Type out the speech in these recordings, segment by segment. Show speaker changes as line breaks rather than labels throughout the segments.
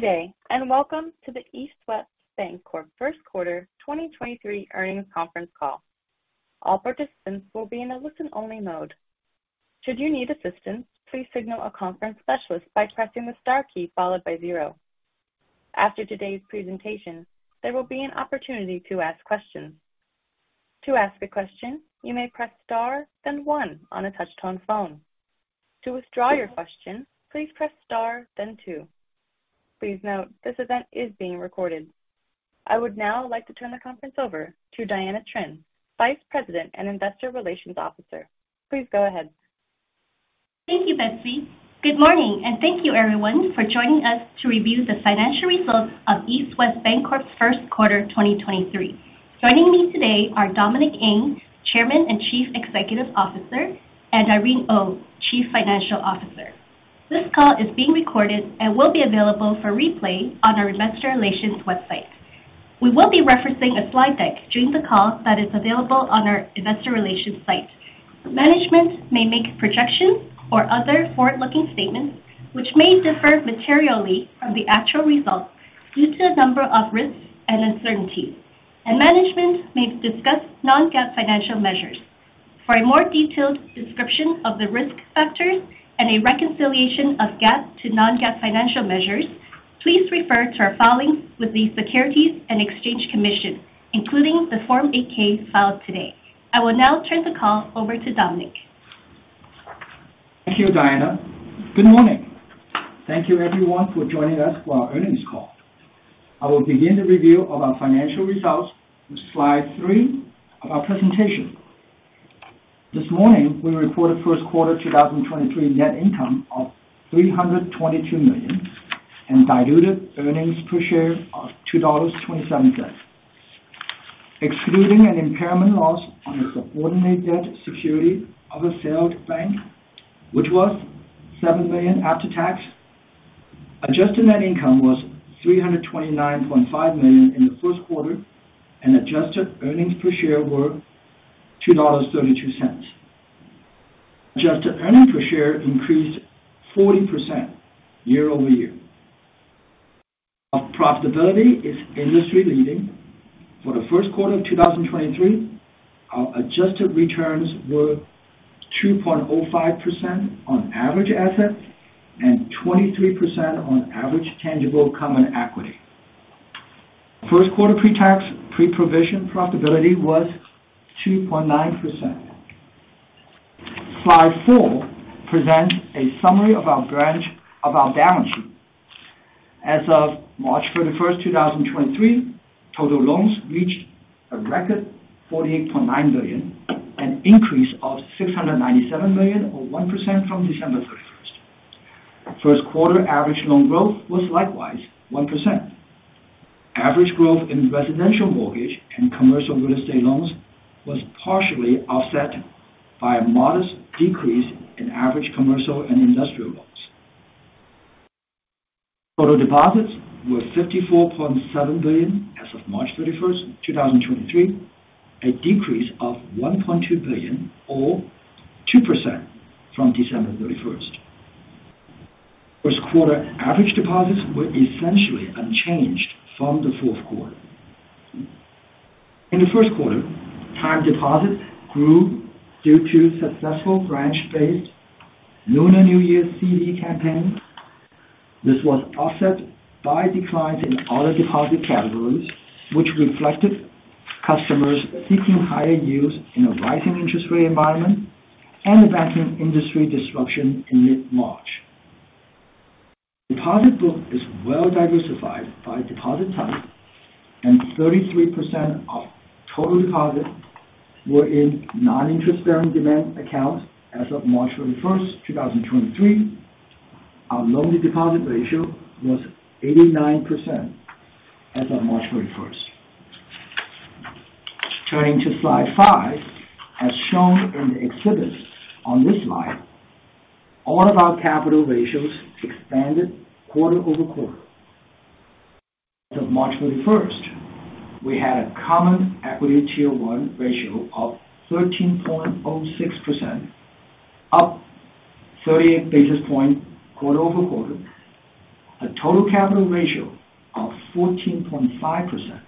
Good day, welcome to the East West Bancorp, Inc. First Quarter 2023 Earnings Conference Call. All participants will be in a listen-only mode. Should you need assistance, please signal a conference specialist by pressing the star key followed by zero. After today's presentation, there will be an opportunity to ask questions. To ask a question, you may press star then one on a touch-tone phone. To withdraw your question, please press star then two. Please note this event is being recorded. I would now like to turn the conference over to Diana Trinh, Vice President and Investor Relations Officer. Please go ahead.
Thank you, Betsy. Good morning, and thank you everyone for joining us to review the financial results of East West Bancorp's first quarter 2023. Joining me today are Dominic Ng, Chairman and Chief Executive Officer, and Irene Oh, Chief Financial Officer. This call is being recorded and will be available for replay on our investor relations website. We will be referencing a slide deck during the call that is available on our investor relations site. Management may make projections or other forward-looking statements which may differ materially from the actual results due to a number of risks and uncertainties. Management may discuss non-GAAP financial measures. For a more detailed description of the risk factors and a reconciliation of GAAP to non-GAAP financial measures, please refer to our filings with the Securities and Exchange Commission, including the Form 8-K filed today. I will now turn the call over to Dominic.
Thank you, Diana. Good morning. Thank you everyone for joining us for our earnings call. I will begin the review of our financial results with slide three of our presentation. This morning, we reported first quarter 2023 net income of $322 million and diluted earnings per share of $2.27. Excluding an impairment loss on a subordinate debt security of a failed bank, which was $7 million after tax, adjusted net income was $329.5 million in the first quarter, and adjusted earnings per share were $2.32. Adjusted earnings per share increased 40% year-over-year. Our profitability is industry leading. For the first quarter of 2023, our adjusted returns were 2.05% on average assets and 23% on average tangible common equity. First quarter pre-tax pre-provision profitability was 2.9%. Slide four presents a summary of our balance sheet. As of March 31st, 2023, total loans reached a record $48.9 billion, an increase of $697 million or 1% from December 31st. First quarter average loan growth was likewise 1%. Average growth in residential mortgage and Commercial Real Estate loans was partially offset by a modest decrease in average commercial and industrial loans. Total deposits were $54.7 billion as of March 31st, 2023, a decrease of $1.2 billion or 2% from December 31. First quarter average deposits were essentially unchanged from the fourth quarter. In the first quarter, time deposits grew due to successful branch-based Lunar New Year CD campaign. This was offset by declines in other deposit categories, which reflected customers seeking higher yields in a rising interest rate environment and the banking industry disruption in mid-March. Deposit book is well diversified by deposit type. 33% of total deposits were in non-interest bearing demand accounts as of March 31st, 2023. Our loan to deposit ratio was 89% as of March 31st. Turning to slide five. As shown in the exhibits on this slide, all of our capital ratios expanded quarter-over-quarter. As of March 31st, we had a common equity Tier 1 ratio of 13.06%, up 38 basis points quarter-over-quarter, a total capital ratio of 14.5%,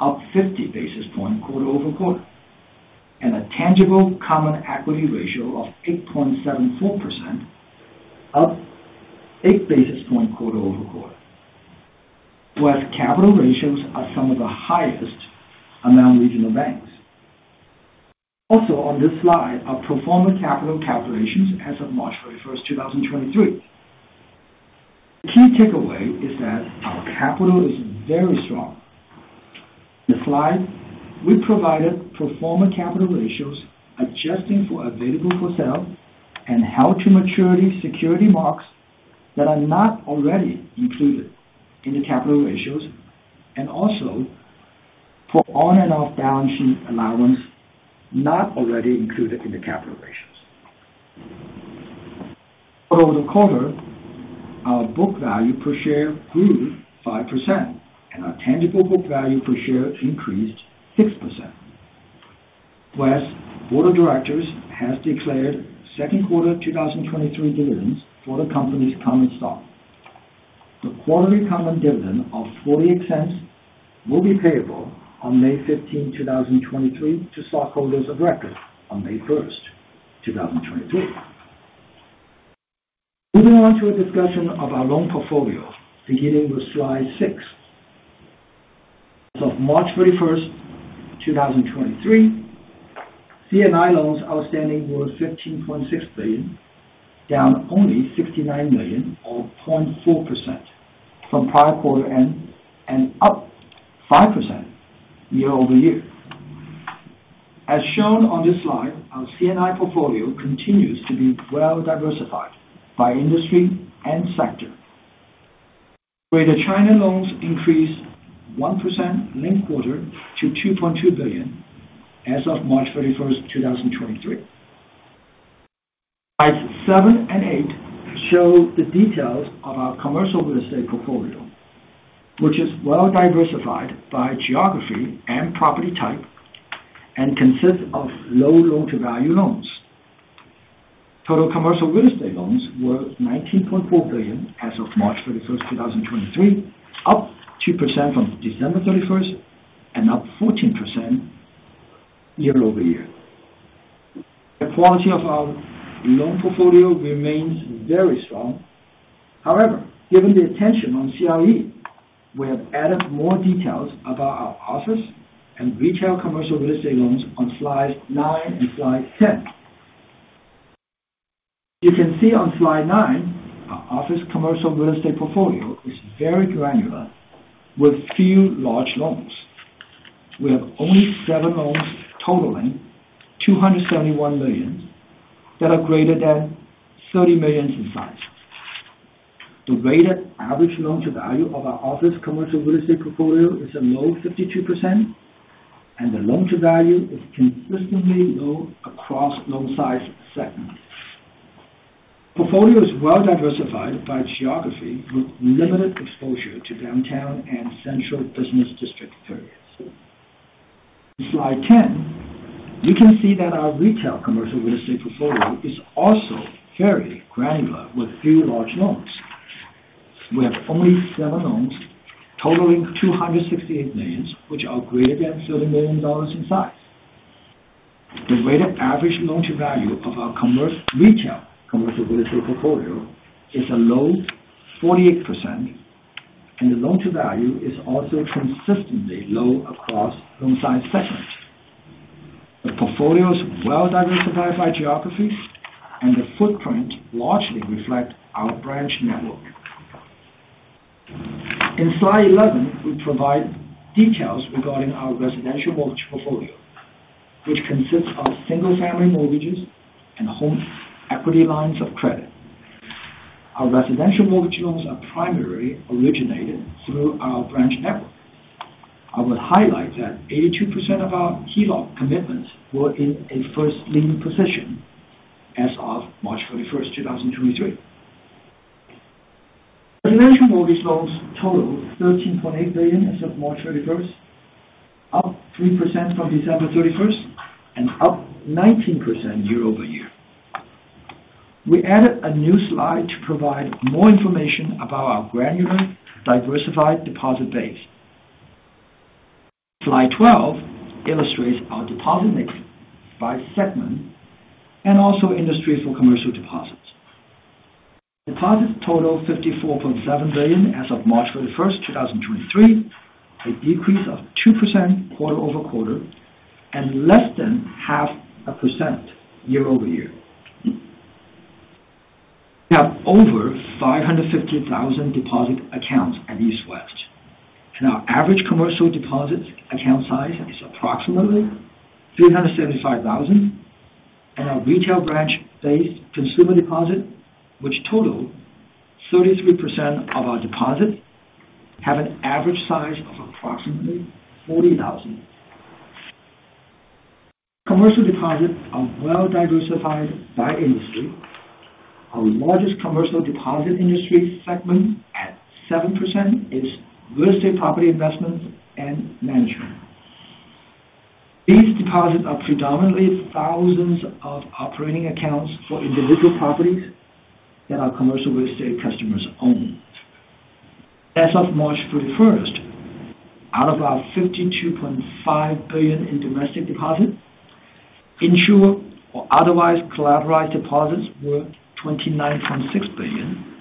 up 50 basis points quarter-over-quarter, and a tangible common equity ratio of 8.74%, up 8 basis points quarter-over-quarter. East West capital ratios are some of the highest among regional banks. Also on this slide are pro forma capital calculations as of March 31st, 2023. The key takeaway is that our capital is very strong. In the slide, we provided pro forma capital ratios adjusting for available for sale and held to maturity security marks that are not already included in the capital ratios and also for on and off balance sheet allowance not already included in the capital ratios. Over the quarter, our book value per share grew 5% and our tangible book value per share increased 6%. East West Board of Directors has declared second quarter 2023 dividends for the company's common stock. The quarterly common dividend of $0.48 will be payable on May 15, 2023 to stockholders of record on May 1st, 2023. Moving on to a discussion of our loan portfolio, beginning with slide six. As of March 31st, 2023, C&I loans outstanding were $15.6 billion, down only $69 million, or 0.4% from prior quarter end and up 5% year-over-year. As shown on this slide, our C&I portfolio continues to be well diversified by industry and sector. Greater China loans increased 1% linked quarter to $2.2 billion as of March 31st, 2023. Slides seven and eight show the details of our Commercial Real Estate portfolio, which is well diversified by geography and property type and consists of low loan-to-value loans. Total Commercial Real Estate loans were $19.4 billion as of March 31st, 2023, up 2% from December 31st and up 14% year-over-year. The quality of our loan portfolio remains very strong. However, given the attention on CRE, we have added more details about our office and retail Commercial Real Estate loans on slide nine and slide 10. You can see on slide nine, our office Commercial Real Estate portfolio is very granular with few large loans. We have only seven loans totaling $271 million that are greater than $30 million in size. The weighted average loan to value of our office Commercial Real Estate portfolio is a low 52%, and the loan to value is consistently low across loan size segments. Portfolio is well diversified by geography, with limited exposure to downtown and central business district areas. In slide 10, you can see that our retail Commercial Real Estate portfolio is also very granular with few large loans. We have only seven loans totaling $268 million, which are greater than $30 million in size. The weighted average loan to value of our retail Commercial Real Estate portfolio is a low 48%, and the loan to value is also consistently low across loan size segments. The portfolio is well diversified by geographies and the footprint largely reflect our branch network. In slide 11, we provide details regarding our residential mortgage portfolio, which consists of single-family mortgages and home equity lines of credit. Our residential mortgage loans are primarily originated through our branch network. I would highlight that 82% of our HELOC commitments were in a first lien position as of March 31st, 2023. Residential mortgage loans total $13.8 billion as of March 31st, up 3% from December 31st and up 19% year-over-year. We added a new slide to provide more information about our granular diversified deposit base. Slide 12 illustrates our deposit mix by segment and also industry for commercial deposits. Deposits total $54.7 billion as of March 31, 2023, a decrease of 2% quarter-over-quarter and less than half a percent year-over-year. We have over 550,000 deposit accounts at East West, and our average commercial deposit account size is approximately $375,000. Our retail branch-based consumer deposit, which total 33% of our deposits, have an average size of approximately $40,000. Commercial deposits are well diversified by industry. Our largest commercial deposit industry segment at 7% is real estate property investments and management. These deposits are predominantly thousands of operating accounts for individual properties that our Commercial Real Estate customers own. As of March 31st, out of our $52.5 billion in domestic deposits, insured or otherwise collateralized deposits were $29.6 billion,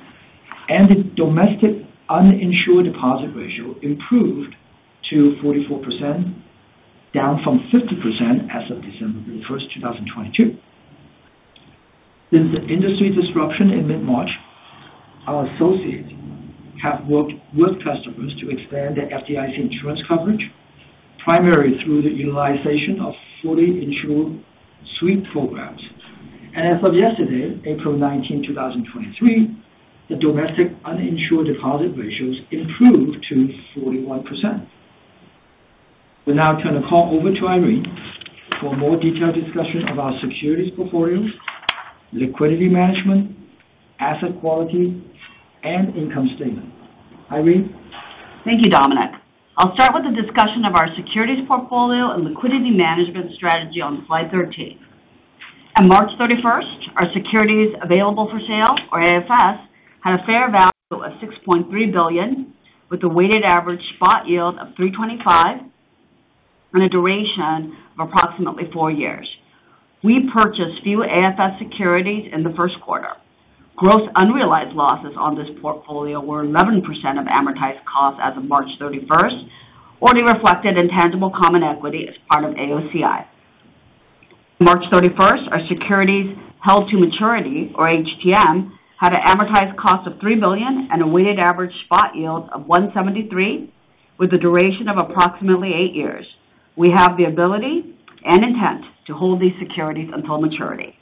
and the domestic uninsured deposit ratio improved to 44%, down from 50% as of December 31st, 2022. Since the industry disruption in mid-March, our associates have worked with customers to expand their FDIC insurance coverage, primarily through the utilization of fully insured sweep programs. As of yesterday, April 19, 2023, the domestic uninsured deposit ratios improved to 41%. We now turn the call over to Irene for a more detailed discussion of our securities portfolio, liquidity management, asset quality, and income statement. Irene?
Thank you, Dominic. I'll start with a discussion of our securities portfolio and liquidity management strategy on slide 13. On March 31st, our securities available for sale, or AFS, had a fair value of $6.3 billion, with a weighted average spot yield of 3.25% and a duration of approximately four years. We purchased few AFS securities in the first quarter. Gross unrealized losses on this portfolio were 11% of amortized cost as of March 31st, already reflected in tangible common equity as part of AOCI. March 31st, our securities held to maturity, or HTM, had an amortized cost of $3 billion and a weighted average spot yield of 1.73%, with a duration of approximately eight years. We have the ability and intent to hold these securities until maturity.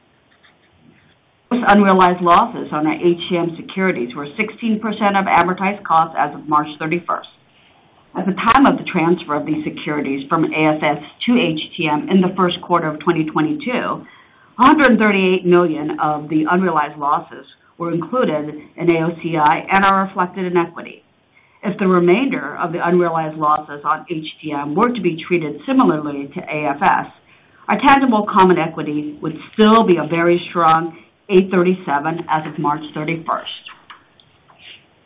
Those unrealized losses on our HTM securities were 16% of amortized cost as of March 31st. At the time of the transfer of these securities from AFS to HTM in the first quarter of 2022, $138 million of the unrealized losses were included in AOCI and are reflected in equity. If the remainder of the unrealized losses on HTM were to be treated similarly to AFS, our tangible common equity would still be a very strong 8.37% as of March 31st.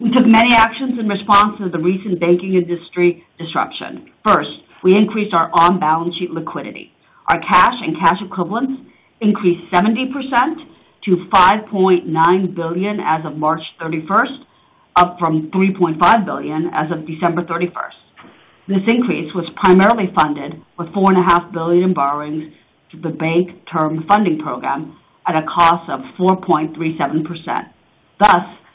We took many actions in response to the recent banking industry disruption. First, we increased our on-balance sheet liquidity. Our cash and cash equivalents increased 70% to $5.9 billion as of March 31st, up from $3.5 billion as of December 31st. This increase was primarily funded with $4.5 billion in borrowings through the Bank Term Funding Program at a cost of 4.37%.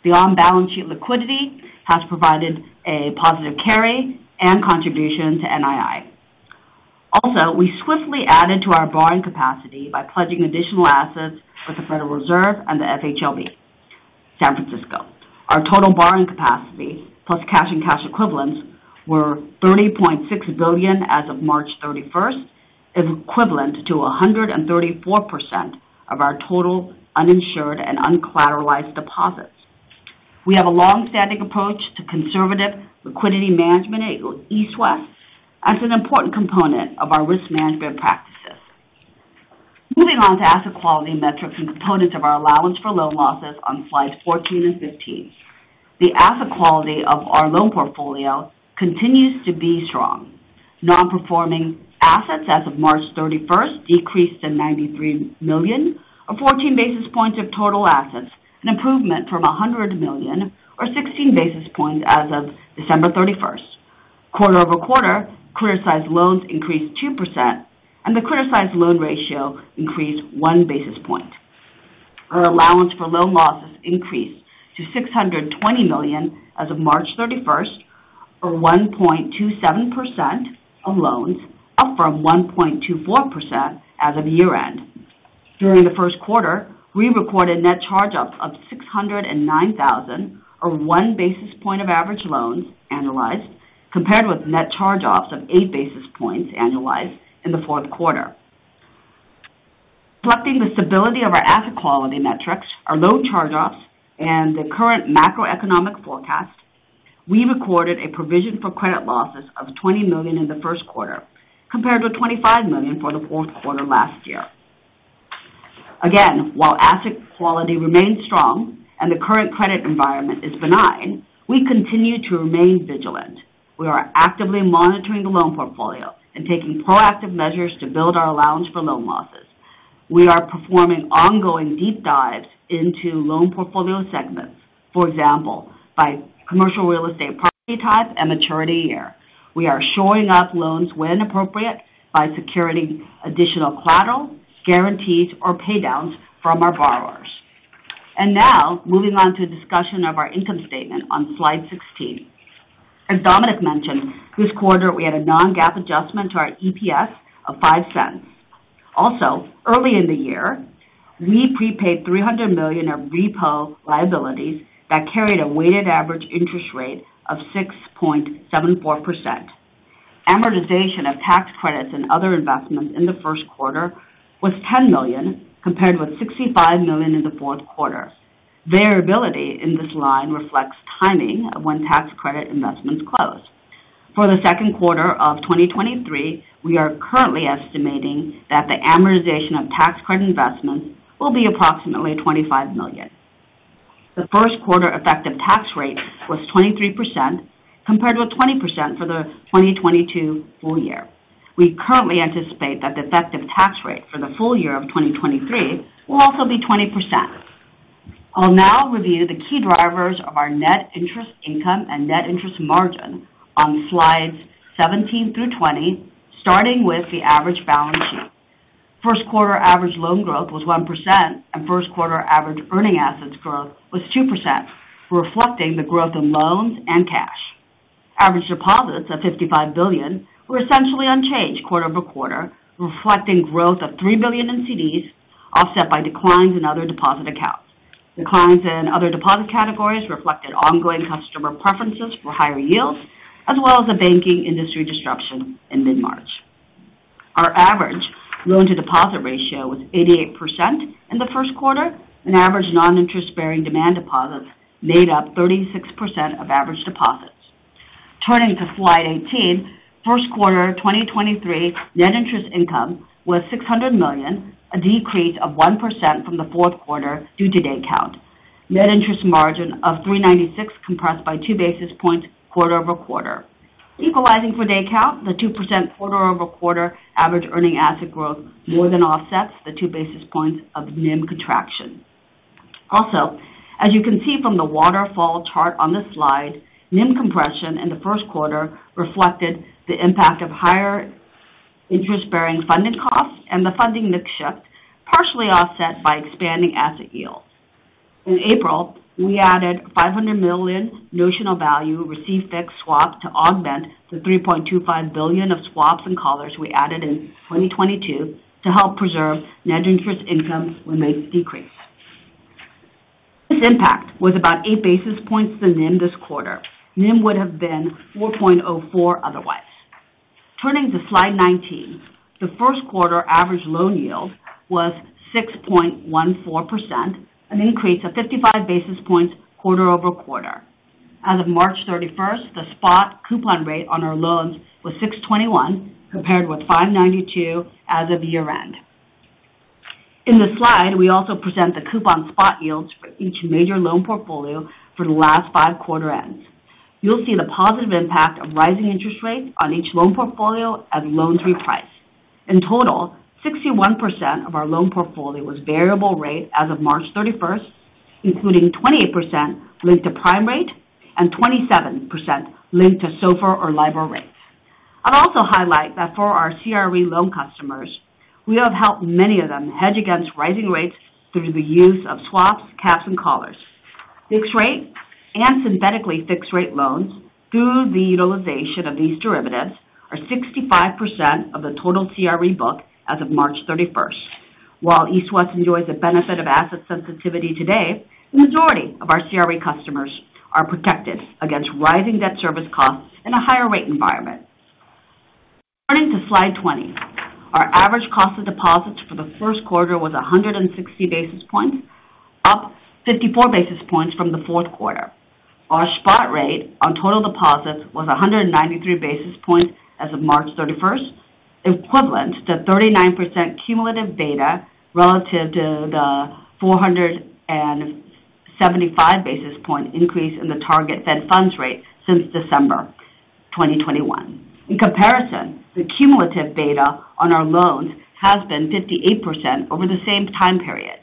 The on-balance sheet liquidity has provided a positive carry and contribution to NII. We swiftly added to our borrowing capacity by pledging additional assets with the Federal Reserve and the FHLB, San Francisco. Our total borrowing capacity, plus cash and cash equivalents, were $30.6 billion as of March 31st, equivalent to 134% of our total uninsured and uncollateralized deposits. We have a long-standing approach to conservative liquidity management at East West as an important component of our risk management practices. Moving on to asset quality metrics and components of our allowance for loan losses on slide 14 and 15. The asset quality of our loan portfolio continues to be strong. Non-performing assets as of March 31st decreased to $93 million, or 14 basis points of total assets, an improvement from $100 million or 16 basis points as of December 31st. Quarter-over-quarter, CRE size loans increased 2%, and the CRE size loan ratio increased 1 basis point. Our allowance for loan losses increased to $620 million as of March 31st, or 1.27% of loans, up from 1.24% as of year-end. During the first quarter, we recorded net charge-offs of $609,000, or 1 basis point of average loans annualized, compared with net charge-offs of 8 basis points annualized in the fourth quarter. Reflecting the stability of our asset quality metrics, our loan charge-offs, and the current macroeconomic forecast, we recorded a provision for credit losses of $20 million in the first quarter, compared with $25 million for the fourth quarter last year. Again, while asset quality remains strong and the current credit environment is benign, we continue to remain vigilant. We are actively monitoring the loan portfolio and taking proactive measures to build our allowance for loan losses. We are performing ongoing deep dives into loan portfolio segments, for example, by Commercial Real Estate property type and maturity year. We are shoring up loans when appropriate by securing additional collateral, guarantees, or pay downs from our borrowers. Now moving on to a discussion of our income statement on slide 16. As Dominic mentioned, this quarter we had a non-GAAP adjustment to our EPS of $0.05. Also, early in the year, we prepaid $300 million of repo liabilities that carried a weighted average interest rate of 6.74%. Amortization of tax credits and other investments in the first quarter was $10 million, compared with $65 million in the fourth quarter. Variability in this line reflects timing of when tax credit investments close. For the second quarter of 2023, we are currently estimating that the amortization of tax credit investments will be approximately $25 million. The first quarter effective tax rate was 23%, compared with 20% for the 2022 full year. We currently anticipate that the effective tax rate for the full year of 2023 will also be 20%. I'll now review the key drivers of our net interest income and net interest margin on slides 17 to 20, starting with the average balance sheet. First quarter average loan growth was 1%, and first quarter average earning assets growth was 2%, reflecting the growth in loans and cash. Average deposits of $55 billion were essentially unchanged quarter-over-quarter, reflecting growth of $3 billion in CDs, offset by declines in other deposit accounts. Declines in other deposit categories reflected ongoing customer preferences for higher yields, as well as the banking industry disruption in mid-March. Our average loan to deposit ratio was 88% in the first quarter, and average non-interest bearing demand deposits made up 36% of average deposits. Turning to slide 18. First quarter 2023 net interest income was $600 million, a decrease of 1% from the fourth quarter due to day count. Net interest margin of 3.96 compressed by 2 basis points quarter-over-quarter. Equalizing for day count, the 2% quarter-over-quarter average earning asset growth more than offsets the 2 basis points of NIM contraction. As you can see from the waterfall chart on this slide, NIM compression in the first quarter reflected the impact of higher interest-bearing funding costs and the funding mix shift, partially offset by expanding asset yields. In April, we added $500 million notional value received fixed swap to augment the $3.25 billion of swaps and collars we added in 2022 to help preserve net interest income when rates decrease. This impact was about 8 basis points to NIM this quarter. NIM would have been 4.04 otherwise. Turning to slide 19. The first quarter average loan yield was 6.14%, an increase of 55 basis points quarter-over-quarter. As of March 31st, the spot coupon rate on our loans was 6.21%, compared with 5.92% as of year-end. In this slide, we also present the coupon spot yields for each major loan portfolio for the last five quarter ends. You'll see the positive impact of rising interest rates on each loan portfolio as loans reprice. In total, 61% of our loan portfolio was variable rate as of March 31st, including 28% linked to prime rate and 27% linked to SOFR or LIBOR rates. I'd also highlight that for our CRE loan customers, we have helped many of them hedge against rising rates through the use of swaps, caps, and collars. Fixed rate and synthetically fixed rate loans through the utilization of these derivatives are 65% of the total CRE book as of March 31st. While East West enjoys the benefit of asset sensitivity today, the majority of our CRE customers are protected against rising debt service costs in a higher rate environment. Turning to slide 20. Our average cost of deposits for the first quarter was 160 basis points, up 54 basis points from the fourth quarter. Our spot rate on total deposits was 193 basis points as of March 31st, equivalent to 39% cumulative beta relative to the 475 basis point increase in the target Fed funds rate since December 2021. In comparison, the cumulative beta on our loans has been 58% over the same time period.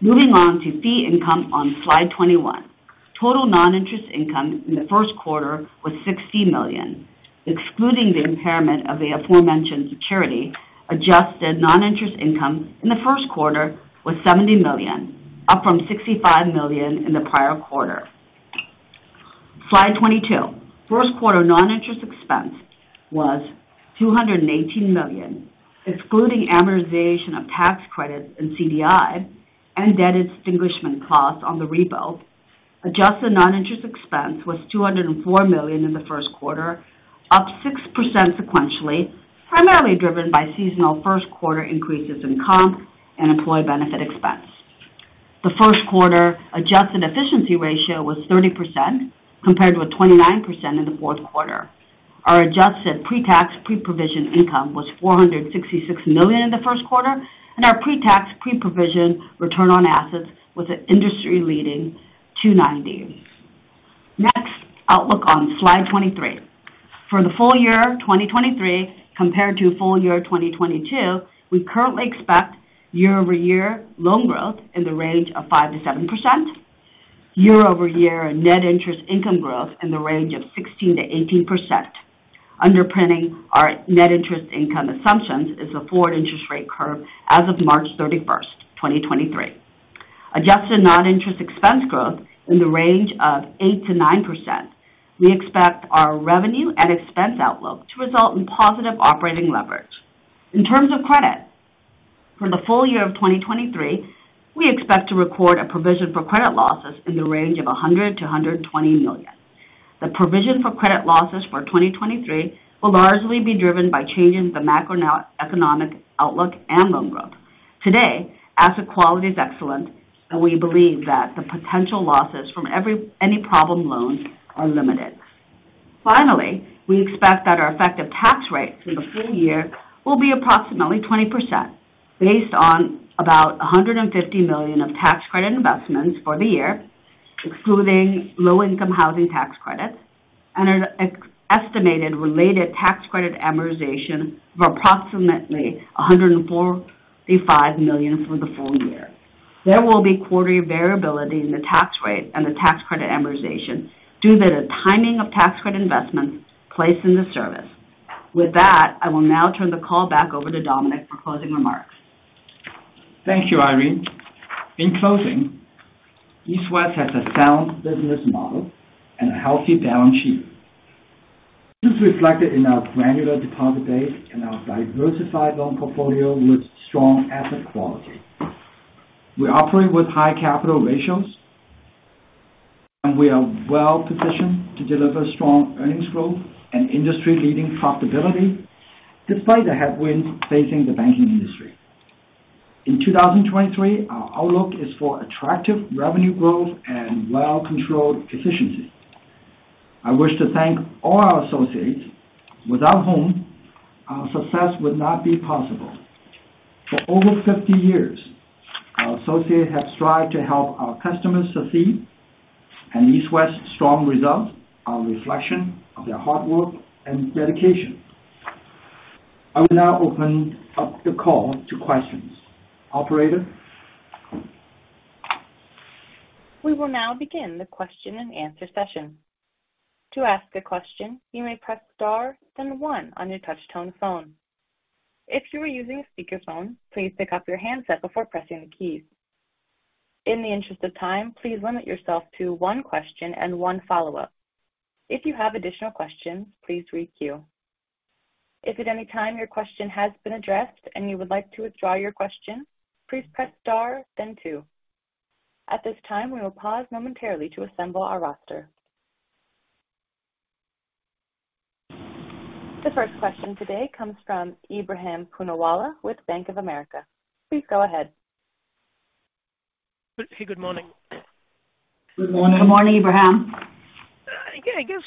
Moving on to fee income on slide 21. Total non-interest income in the first quarter was $60 million. Excluding the impairment of the aforementioned security, adjusted non-interest income in the first quarter was $70 million, up from $65 million in the prior quarter. Slide 22. First quarter non-interest expense was $218 million, excluding amortization of tax credits in CDI and debt extinguishment costs on the repo. Adjusted non-interest expense was $204 million in the first quarter, up 6% sequentially, primarily driven by seasonal first quarter increases in comp and employee benefit expense. The first quarter adjusted efficiency ratio was 30%, compared with 29% in the fourth quarter. Our adjusted pre-tax, pre-provision income was $466 million in the first quarter, and our pre-tax, pre-provision return on assets was an industry-leading 2.90%. Outlook on slide 23. For the full year 2023 compared to full year 2022, we currently expect year-over-year loan growth in the range of 5%-7%. Year-over-year net interest income growth in the range of 16%-18%. Underpinning our net interest income assumptions is the forward interest rate curve as of March 31, 2023. Adjusted non-interest expense growth in the range of 8%-9%. We expect our revenue and expense outlook to result in positive operating leverage. In terms of credit, for the full year of 2023, we expect to record a provision for credit losses in the range of $100 million-$120 million. The provision for credit losses for 2023 will largely be driven by changes in the macroeconomic outlook and loan growth. Today, asset quality is excellent, and we believe that the potential losses from any problem loans are limited. Finally, we expect that our effective tax rate for the full year will be approximately 20% based on about $150 million of tax credit investments for the year, excluding low-income housing tax credits, and an ex-estimated related tax credit amortization of approximately $145 million for the full year. There will be quarterly variability in the tax rate and the tax credit amortization due to the timing of tax credit investments placed in the service. With that, I will now turn the call back over to Dominic for closing remarks.
Thank you, Irene. In closing, East West has a sound business model and a healthy balance sheet. This is reflected in our granular deposit base and our diversified loan portfolio with strong asset quality. We operate with high capital ratios. We are well positioned to deliver strong earnings growth and industry-leading profitability despite the headwinds facing the banking industry. In 2023, our outlook is for attractive revenue growth and well-controlled efficiency. I wish to thank all our associates, without whom our success would not be possible. For over 50 years, our associates have strived to help our customers succeed, and East West's strong results are a reflection of their hard work and dedication. I will now open up the call to questions. Operator?
We will now begin the question-and-answer session. To ask a question, you may press star then one on your touch-tone phone. If you are using a speakerphone, please pick up your handset before pressing the keys. In the interest of time, please limit yourself to one question and one follow-up. If you have additional questions, please queue. If at any time your question has been addressed and you would like to withdraw your question, please press star then two. At this time, we will pause momentarily to assemble our roster. The first question today comes from Ebrahim Poonawala with Bank of America. Please go ahead.
Hey, good morning.
Good morning.
Good morning, Ebrahim.
I guess,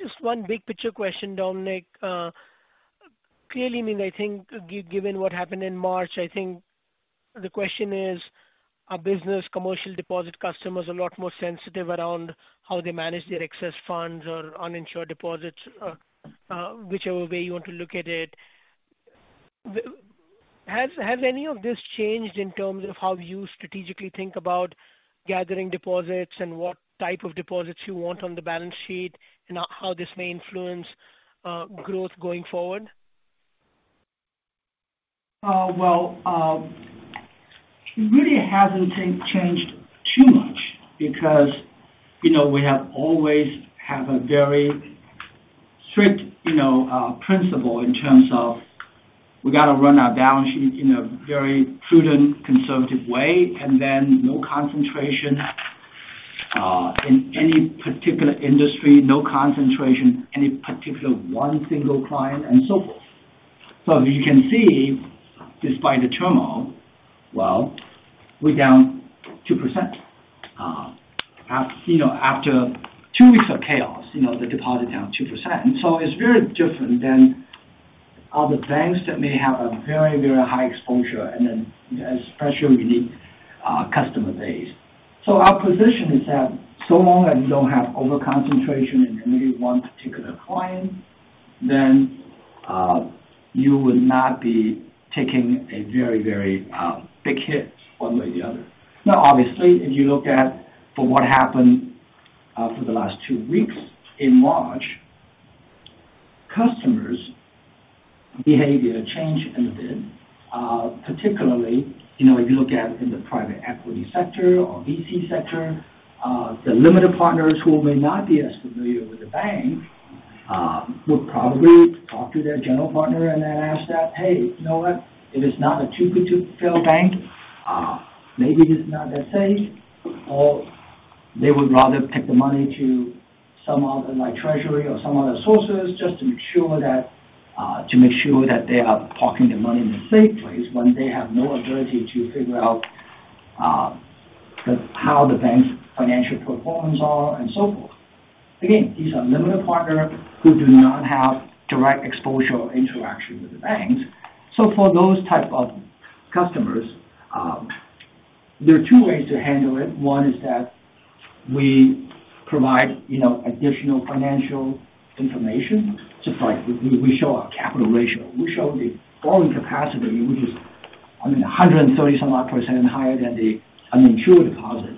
just one big picture question, Dominic. Clearly, I mean, I think given what happened in March, I think the question is, are business commercial deposit customers a lot more sensitive around how they manage their excess funds or uninsured deposits? Whichever way you want to look at it. Has any of this changed in terms of how you strategically think about gathering deposits and what type of deposits you want on the balance sheet and how this may influence growth going forward?
Well, it really hasn't changed too much because, you know, we have always have a very strict, you know, principle in terms of we got to run our balance sheet in a very prudent, conservative way, and then no concentration in any particular industry, no concentration, any particular one single client, and so forth. You can see despite the turmoil, well, we're down 2%, you know, after two weeks of chaos, you know, the deposit down 2%. It's very different than other banks that may have a very, very high exposure and then especially unique customer base. Our position is that so long as you don't have over concentration in maybe one particular client, then, you would not be taking a very, very big hit one way or the other. Now obviously, if you look at for what happened, for the last two weeks in March, customers' behavior changed a bit, particularly, you know, if you look at in the private equity sector or VC sector, the limited partners who may not be as familiar with the bank, would probably talk to their general partner and then ask that, "Hey, you know what? If it's not a too big to fail bank, maybe it's not that safe." They would rather take the money to some other, like Treasury or some other sources, just to ensure that, to make sure that they are parking their money in a safe place when they have no ability to figure out, the, how the bank's financial performance are and so forth. These are limited partners who do not have direct exposure or interaction with the banks. For those type of customers, there are two ways to handle it. One is that we provide, you know, additional financial information. Just like we show our capital ratio, we show the borrowing capacity, which is, I mean, 130-some-odd-percent higher than the uninsured deposit.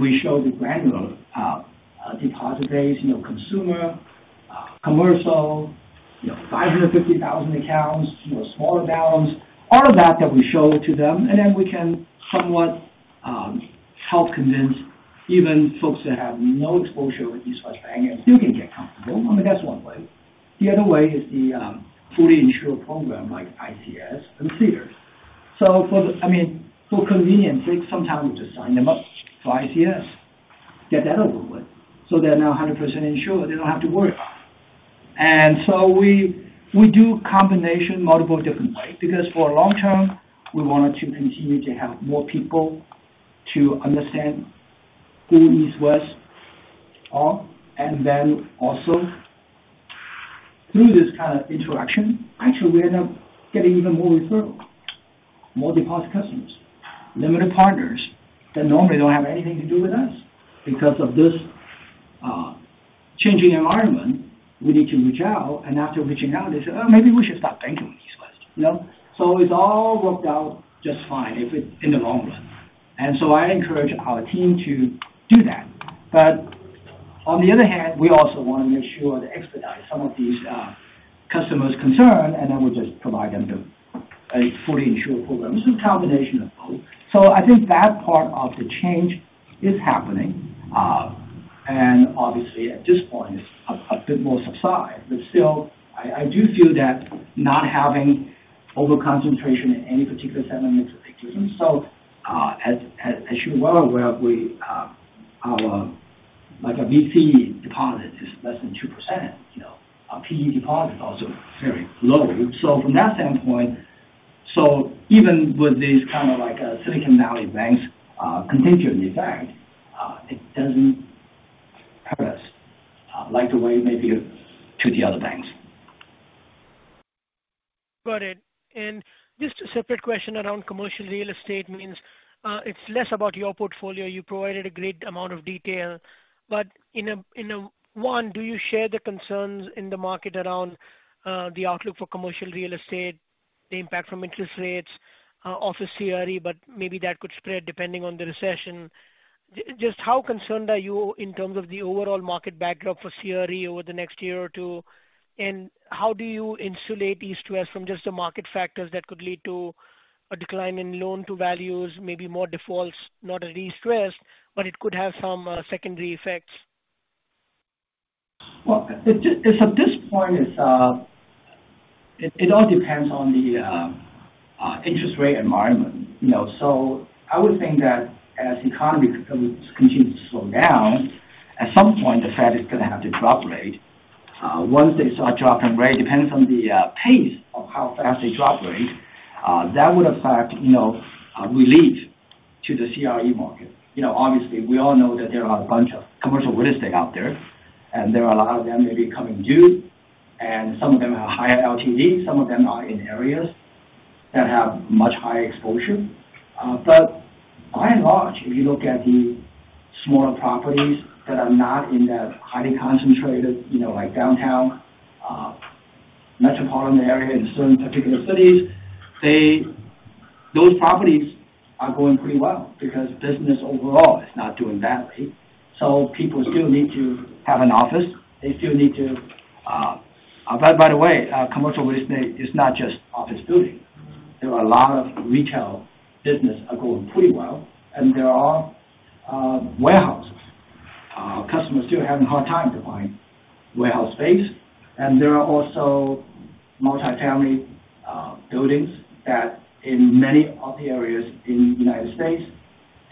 We show the granular deposit base, you know, consumer, commercial, you know, 550,000 accounts, you know, smaller balance, all of that we show to them. Then we can somewhat help convince even folks that have no exposure with East West Bank and still can get comfortable. I mean, that's one way. The other way is the fully insured program like ICS and CDARS. For the, I mean, for convenience sake, sometimes we just sign them up for ICS, get that over with. They're now 100% insured, they don't have to worry about it. We do combination multiple different ways because for long-term, we wanted to continue to have more people to understand who East West are. Also through this kind of interaction, actually we end up getting even more referrals, more deposit customers, limited partners that normally don't have anything to do with us. Because of this, changing environment, we need to reach out, and after reaching out, they say, "Oh, maybe we should start banking with East West," you know. It's all worked out just fine if it's in the long-run. I encourage our team to do that. On the other hand, we also want to make sure to expedite some of these customers' concern, and then we just provide them a fully insured program. It's a combination of both. I think that part of the change is happening. And obviously at this point it's a bit more subside. Still, I do feel that not having over concentration in any particular segment makes it so. As you're well aware, our VC deposit is less than 2%, you know. Our PE deposit also very low. From that standpoint. Even with these kind of like Silicon Valley Banks contagion effect, it doesn't hurt us like the way it may be to the other banks.
Got it. Just a separate question around commercial real estate means, it's less about your portfolio. You provided a great amount of detail. Do you share the concerns in the market around the outlook for commercial real estate, the impact from interest rates, also CRE, but maybe that could spread depending on the recession? Just how concerned are you in terms of the overall market backdrop for CRE over the next year or two? How do you insulate these two from just the market factors that could lead to a decline in loan-to-values, maybe more defaults, not a destress, but it could have some secondary effects.
Well, at this point, it's, it all depends on the interest rate environment, you know. I would think that as economy continues to slow down, at some point the Fed is gonna have to drop rate. Once they start dropping rate, depends on the pace of how fast they drop rate, that would affect, you know, relief to the CRE market. You know, obviously we all know that there are a bunch of commercial real estate out there, and there are a lot of them may be coming due, and some of them are higher LTV, some of them are in areas that have much higher exposure. By and large, if you look at the smaller properties that are not in the highly concentrated, you know, like downtown, metropolitan area in certain particular cities, they—those properties are going pretty well because business overall is not doing badly. People still need to have an office. They still need to. By the way, commercial real estate is not just office building. There are a lot of retail business are going pretty well, there are warehouses. Customers still having a hard time to find warehouse space. There are also multi-family buildings that in many of the areas in United States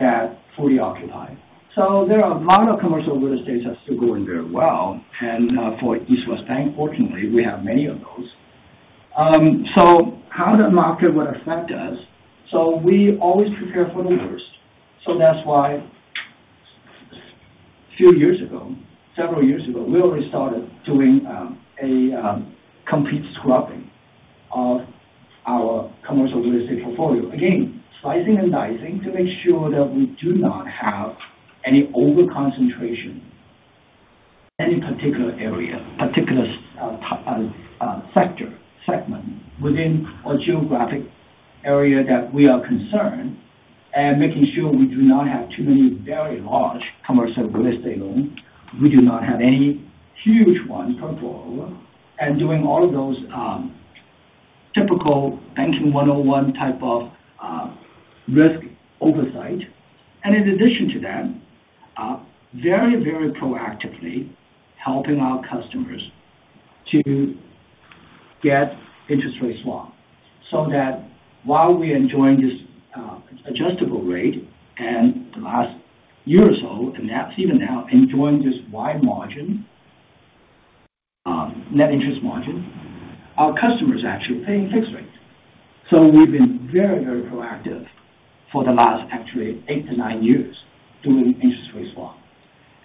that fully occupied. There are a lot of commercial real estates are still going very well. For East West Bank, fortunately, we have many of those. How the market would affect us. We always prepare for the worst. That's why few years ago, several years ago, we already started doing a complete scrubbing of our Commercial Real Estate portfolio. Again, slicing and dicing to make sure that we do not have any over-concentration, any particular area, particular sector, segment within a geographic area that we are concerned, making sure we do not have too many very large commercial real estate loan. We do not have any huge one portfolio. doing all of those, typical banking 101 type of risk oversight. In addition to that, very, very proactively helping our customers to get interest rate swap. that while we enjoying this, adjustable rate and the last year or so, and that's even now enjoying this wide margin, net interest margin, our customers are actually paying fixed rate. we've been very, very proactive for the last actually eight to nine years doing interest rate swap.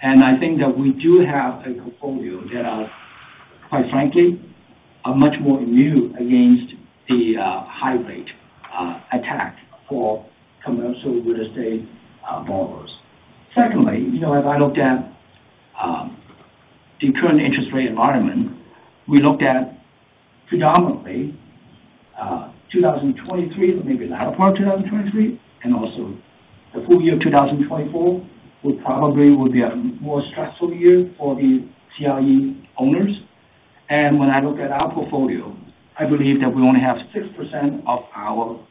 I think that we do have a portfolio that are, quite frankly, much more immune against the high rate attack for commercial real estate borrowers. Secondly, you know, as I looked at the current interest rate environment, we looked at predominantly 2023, maybe the latter part of 2023, and also the full year of 2024, will probably be a more stressful year for the CRE owners. When I look at our portfolio, I believe that we only have 6% of our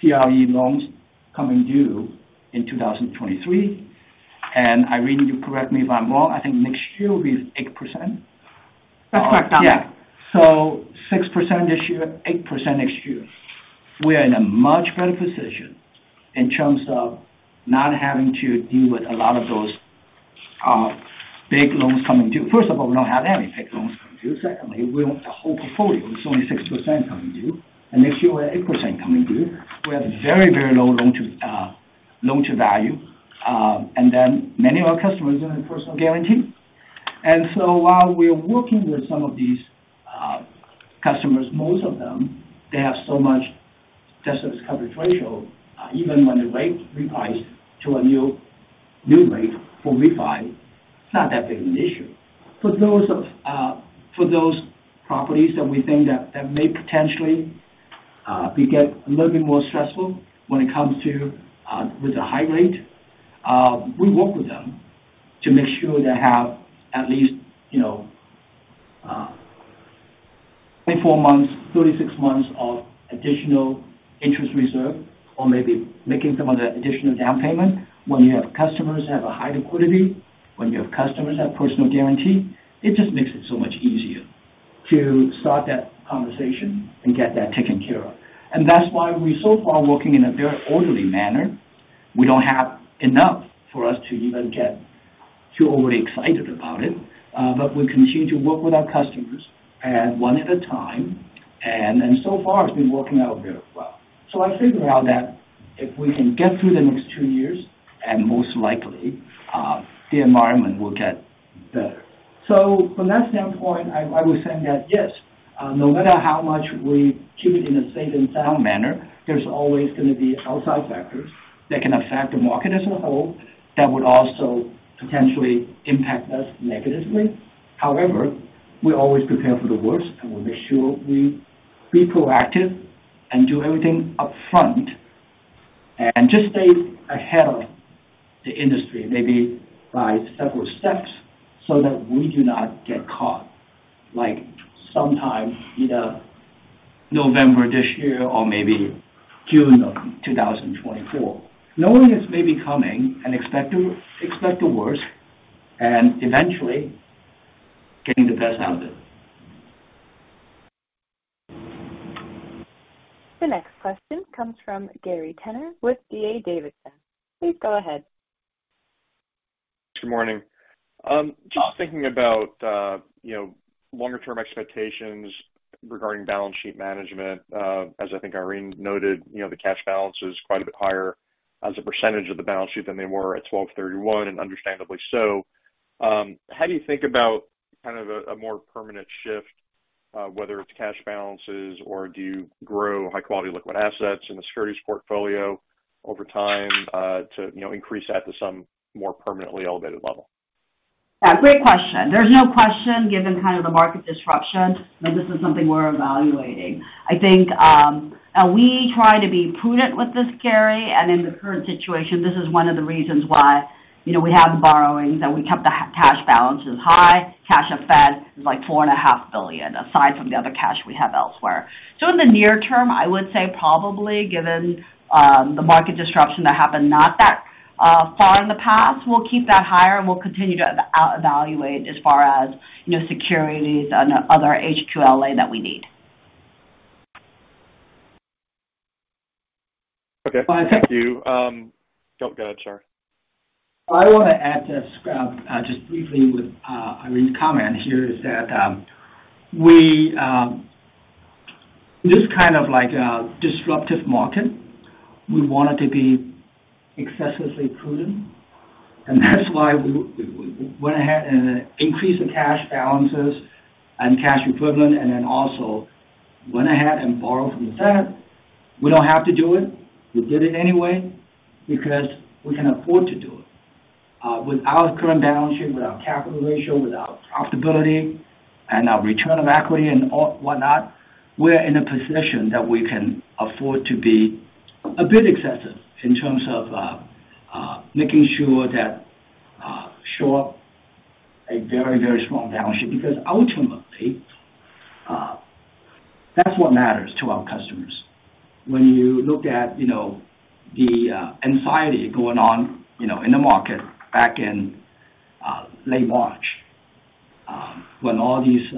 CRE loans coming due in 2023. Irene, you correct me if I'm wrong, I think next year will be 8%.
That's correct, Dom.
6% this year, 8% next year. We are in a much better position in terms of not having to deal with a lot of those big loans coming due. First of all, we don't have any big loans coming due. Secondly, the whole portfolio is only 6% coming due. Next year we have 8% coming due. We have very low loan to value. Many of our customers are in personal guarantee. While we're working with some of these customers, most of them, they have so much debt service coverage ratio, even when the rate reprice to a new rate for refi, it's not that big of an issue. For those of, for those properties that we think that may potentially get a little bit more stressful when it comes to, with the high rate, we work with them to make sure they have at least, you know, 24 months, 36 months of additional interest reserve or maybe making some other additional down payment. When you have customers have a high liquidity, when you have customers have personal guarantee, it just makes it so much easier to start that conversation and get that taken care of. That's why we're so far working in a very orderly manner. We don't have enough for us to even get too overly excited about it. We continue to work with our customers and one at a time, and so far it's been working out very well. I figure out that if we can get through the next two years, most likely, the environment will get better. From that standpoint, I would say that yes, no matter how much we keep it in a safe and sound manner, there's always gonna be outside factors that can affect the market as a whole that would also potentially impact us negatively. However, we always prepare for the worst, and we make sure we be proactive and do everything upfront and just stay ahead of the industry, maybe by several steps, so that we do not get caught. Like sometime either November this year or maybe June of 2024. Knowing this may be coming and expect the worst and eventually getting the best out of it.
The next question comes from Gary Tenner with D.A. Davidson. Please go ahead.
Good morning. Just thinking about, you know, longer term expectations regarding balance sheet management. As I think Irene noted, you know, the cash balance is quite a bit higher as a percentage of the balance sheet than they were at 12/31, and understandably so. How do you think about kind of a more permanent shift, whether it's cash balances or do you grow high quality liquid assets in the securities portfolio over time, to, you know, increase that to some more permanently elevated level?
Great question. There's no question, given kind of the market disruption that this is something we're evaluating. I think we try to be prudent with this, Gary, and in the current situation, this is one of the reasons why, you know, we have the borrowings and we kept the cash balances high. Cash of Fed is like $4.5 billion, aside from the other cash we have elsewhere. In the near term, I would say probably given the market disruption that happened not that far in the past, we'll keep that higher and we'll continue to evaluate as far as, you know, securities and other HQLA that we need.
Okay. Thank you. Oh, go ahead, sir.
I wanna add to, just briefly with Irene's comment here is that we, this kind of like disruptive market, we wanted to be excessively prudent, and that's why we went ahead and increased the cash balances and cash equivalent and then also went ahead and borrow from the Fed. We don't have to do it. We did it anyway because we can afford to do it. With our current balance sheet, with our capital ratio, with our profitability and our return of equity and all, whatnot, we're in a position that we can afford to be a bit excessive in terms of making sure that show up a very strong balance sheet. Because ultimately, that's what matters to our customers. When you look at, you know, the anxiety going on, you know, in the market back in late March, when all these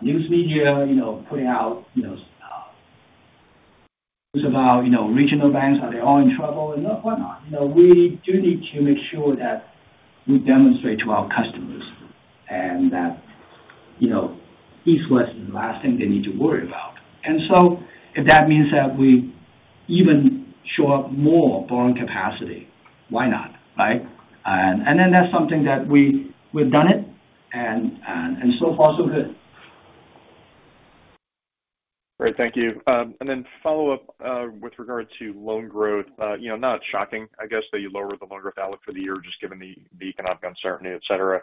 news media, you know, putting out, you know, news about, you know, regional banks, are they all in trouble and what not. You know, we do need to make sure that we demonstrate to our customers and that, you know, East West is the last thing they need to worry about. If that means that we even show up more borrowing capacity, why not, right? That's something that we've done it and so far so good.
Great. Thank you. Then follow up with regard to loan growth. You know, not shocking, I guess, that you lowered the loan growth outlook for the year just given the economic uncertainty, et cetera.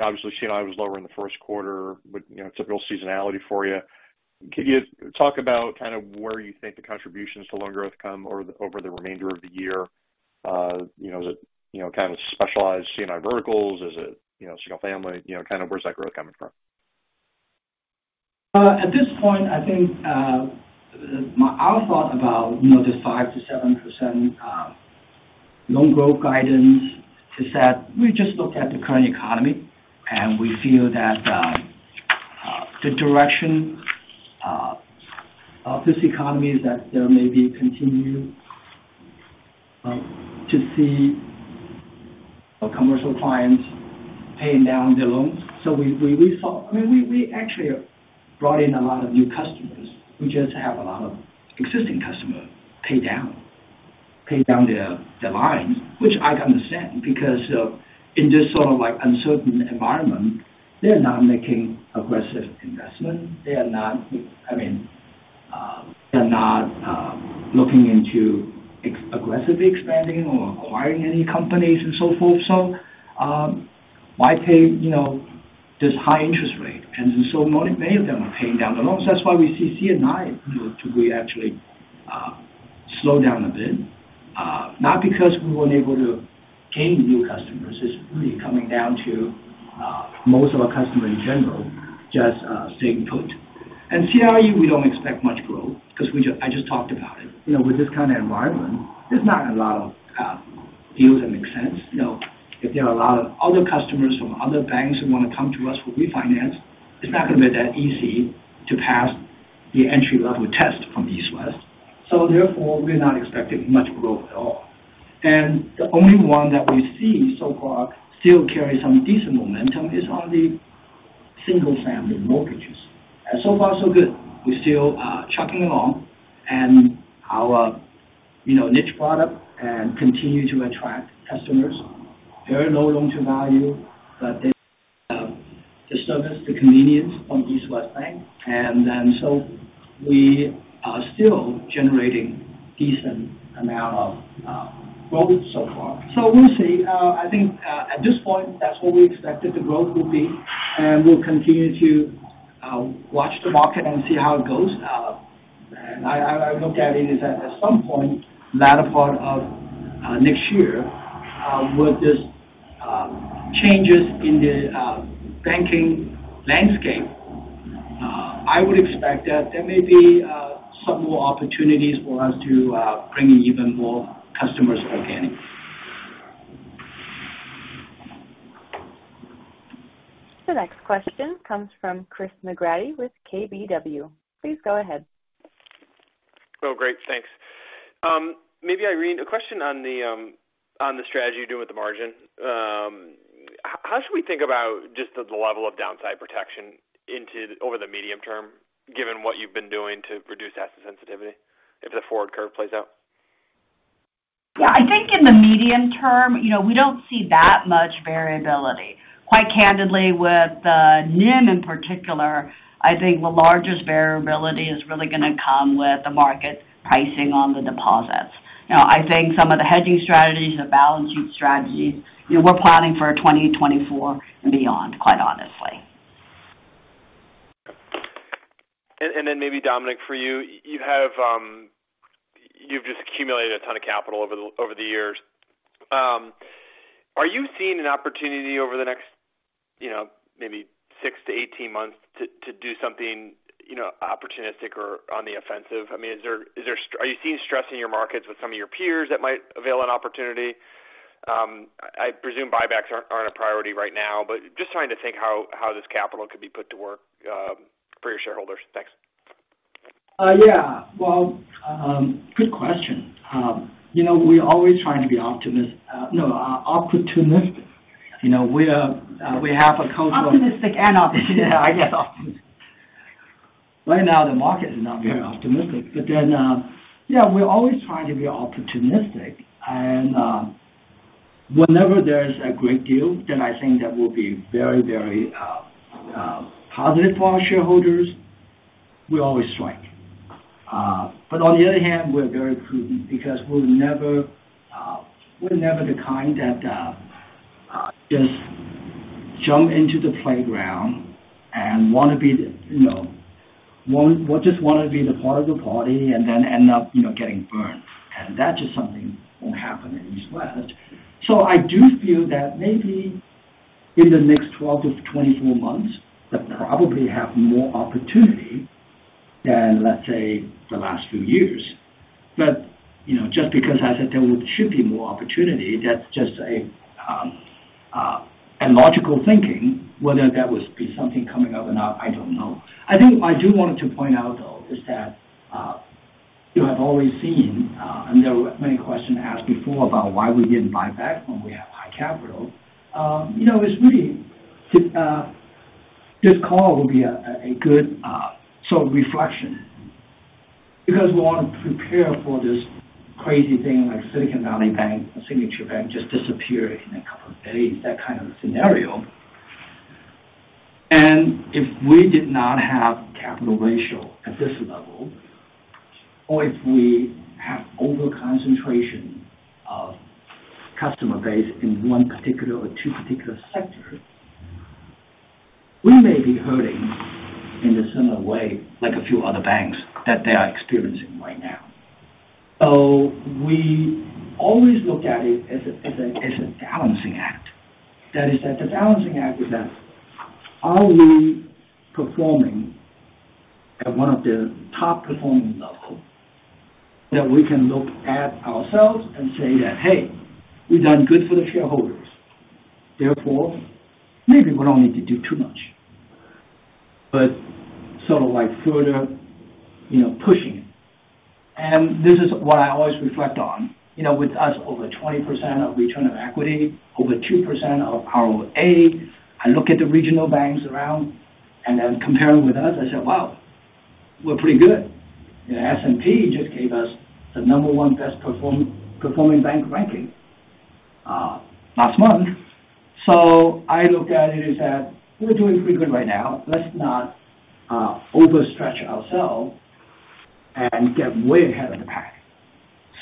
Obviously C&I was lower in the first quarter, but you know, typical seasonality for you. Can you talk about kind of where you think the contributions to loan growth come or over the remainder of the year? You know, the, you know, kind of specialized C&I verticals, is it, you know, single family, you know, kind of where's that growth coming from?
At this point, I think, my, our thought about, you know, this 5%-7% loan growth guidance is that we just looked at the current economy, and we feel that, the direction of this economy is that there may be continue to see commercial clients paying down their loans. We thought—I mean, we actually brought in a lot of new customers. We just have a lot of existing customer pay down their lines, which I understand because of in this sort of like uncertain environment, they're not making aggressive investment. They are not, I mean, they're not looking into aggressively expanding or acquiring any companies and so forth. Why pay, you know, this high interest rate? Many of them are paying down the loans. That's why we see C&I, you know, to be actually slow down a bit, not because we weren't able to gain new customers. It's really coming down to most of our customers in general just staying put. CRE, we don't expect much growth because I just talked about it. You know, with this kind of environment, there's not a lot of deals that make sense. You know, if there are a lot of other customers from other banks who want to come to us for refinance, it's not going to be that easy to pass the entry-level test from East West. Therefore, we're not expecting much growth at all. The only one that we see so far still carry some decent momentum is on the single-family mortgages. So far so good. We're still chugging along and our, you know, niche product and continue to attract customers. Very low loan-to-value, but they have the service, the convenience from East West Bank. We are still generating decent amount of growth so far. We'll see. I think at this point, that's what we expected the growth would be, and we'll continue to watch the market and see how it goes. I look at it is at some point, latter part of next year, with this changes in the banking landscape, I would expect that there may be some more opportunities for us to bring in even more customers organically.
The next question comes from Chris McGratty with KBW. Please go ahead.
Oh, great. Thanks. Maybe Irene, a question on the strategy you're doing with the margin. How should we think about just the level of downside protection over the medium term, given what you've been doing to reduce asset sensitivity if the forward curve plays out?
Yeah, I think in the medium term, you know, we don't see that much variability. Quite candidly, with the NIM in particular, I think the largest variability is really gonna come with the market pricing on the deposits. You know, I think some of the hedging strategies, the balance sheet strategies, you know, we're planning for 2024 and beyond, quite honestly.
Then maybe Dominic, for you have, you've just accumulated a ton of capital over the years. Are you seeing an opportunity over the next, you know, maybe six to 18 months to do something, you know, opportunistic or on the offensive? I mean, is there, are you seeing stress in your markets with some of your peers that might avail an opportunity? I presume buybacks aren't a priority right now, but just trying to think how this capital could be put to work for your shareholders. Thanks.
Yeah. Well, good question. You know, we're always trying to be no, opportunistic. You know, we're, we have a culture—
Optimistic and opportunistic.
Yeah, I guess optimistic. Right now, the market is not very optimistic. Yeah, we're always trying to be opportunistic and, whenever there's a great deal, then I think that will be very, very positive for our shareholders. We always strike. On the other hand, we're very prudent because we're never, we're never the kind that just jump into the playground and wanna be the, you know, just wanna be the part of the party and then end up, you know, getting burned. That's just something won't happen in East West. I do feel that maybe in the next 12 to 24 months, we'll probably have more opportunity than, let's say, the last few years. You know, just because I said there should be more opportunity, that's just a logical thinking. Whether that would be something coming up or not, I don't know. I think I do want to point out, though, is that, you have always seen, I mean, there were many questions asked before about why we didn't buy back when we have high capital. You know, it's really, this call will be a good sort of reflection because we wanna prepare for this crazy thing like Silicon Valley Bank, Signature Bank just disappeared in a couple of days, that kind of scenario. If we did not have capital ratio at this level or if we have over-concentration of customer base in one particular or two particular sectors, we may be hurting in a similar way, like a few other banks that they are experiencing right now. We always look at it as a balancing act. That is that the balancing act is that are we performing at one of the top-performing level that we can look at ourselves and say, "Hey, we've done good for the shareholders. Therefore, maybe we don't need to do too much." Sort of like further, you know, pushing it. This is what I always reflect on. You know, with us over 20% of return on equity, over 2% of ROA, I look at the regional banks around and then comparing with us, I say, "Wow, we're pretty good." You know, S&P just gave us the number one best-performing bank ranking last month. I look at it is that we're doing pretty good right now. Let's not overstretch ourselves and get way ahead of the pack.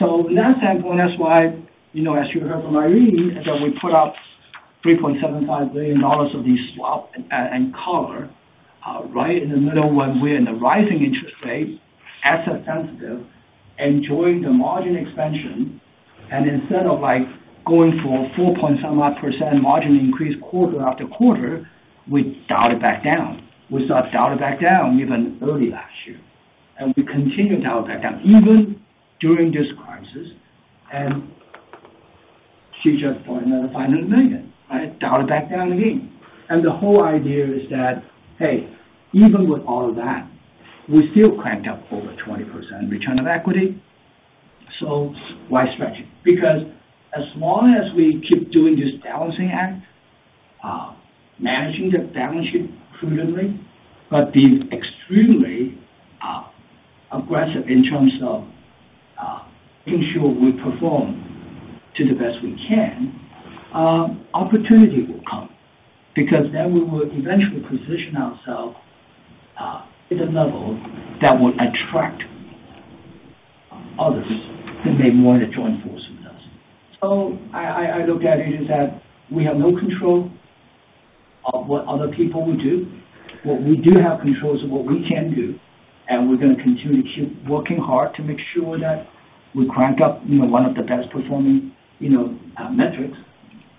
That standpoint, that's why, you know, as you heard from Irene, is that we put up $3.75 billion of these swap and color are right in the middle when we're in the rising interest rate, asset sensitive, enjoying the margin expansion. Instead of, like, going for 4-point-some-odd-percent margin increase quarter after quarter, we dial it back down. We start dial it back down even early last year, and we continue to dial it back down even during this crisis. Q2 for another $500 million, right? Dialed it back down again. The whole idea is that, hey, even with all of that, we still cranked up over 20% return on equity. Why stretch it? As long as we keep doing this balancing act, managing the balance sheet prudently, but being extremely aggressive in terms of making sure we perform to the best we can, opportunity will come because then we will eventually position ourselves at a level that will attract others that may want to join forces with us. I look at it is that we have no control of what other people will do. What we do have control is what we can do. We're gonna continue to keep working hard to make sure that we crank up, you know, one of the best performing, you know, metrics.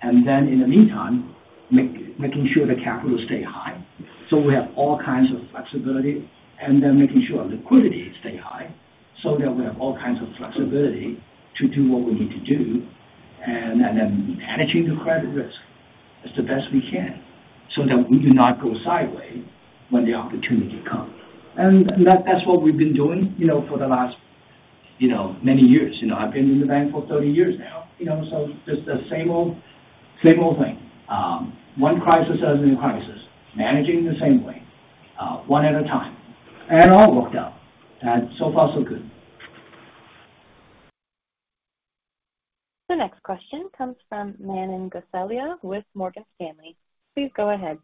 Then in the meantime, making sure the capital stay high so we have all kinds of flexibility. Making sure our liquidity stay high so that we have all kinds of flexibility to do what we need to do. Managing the credit risk as the best we can so that we do not go sideways when the opportunity comes. That's what we've been doing, you know, for the last, you know, many years. You know, I've been in the bank for 30 years now. You know, so just the same old, same old thing. One crisis as a new crisis, managing the same way, one at a time, and it all worked out. So far so good.
The next question comes from Manan Gosalia with Morgan Stanley. Please go ahead.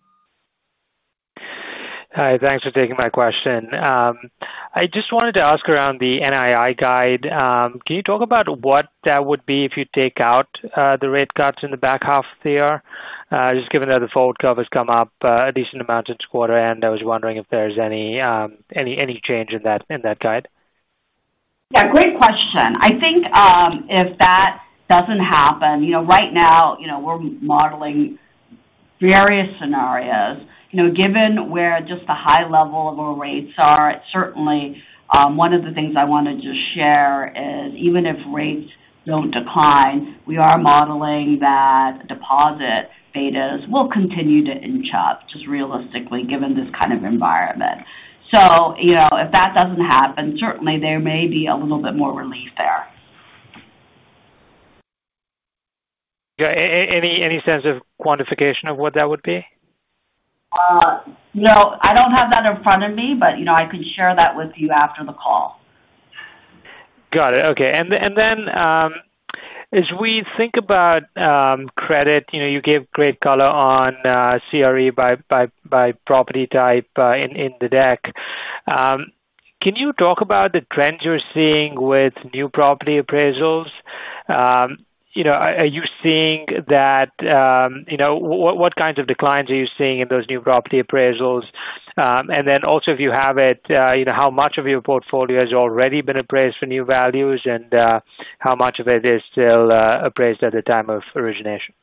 Hi. Thanks for taking my question. I just wanted to ask around the NII guide. Can you talk about what that would be if you take out the rate cuts in the back half of the year? Just given that the forward curve has come up a decent amount this quarter, and I was wondering if there's any change in that guide.
Yeah, great question. I think, if that doesn't happen, you know, right now, you know, we're modeling various scenarios. You know, given where just the high level of our rates are, certainly, one of the things I want to just share is even if rates don't decline, we are modeling that deposit betas will continue to inch up just realistically, given this kind of environment. You know, if that doesn't happen, certainly there may be a little bit more relief there.
Yeah. Any sense of quantification of what that would be?
No, I don't have that in front of me, but, you know, I can share that with you after the call.
Got it. Okay. Then, as we think about credit, you know, you gave great color on CRE by property type in the deck. Can you talk about the trends you're seeing with new property appraisals? You know, are you seeing that? What kinds of declines are you seeing in those new property appraisals? Then also if you have it, you know, how much of your portfolio has already been appraised for new values and, how much of it is still appraised at the time of origination?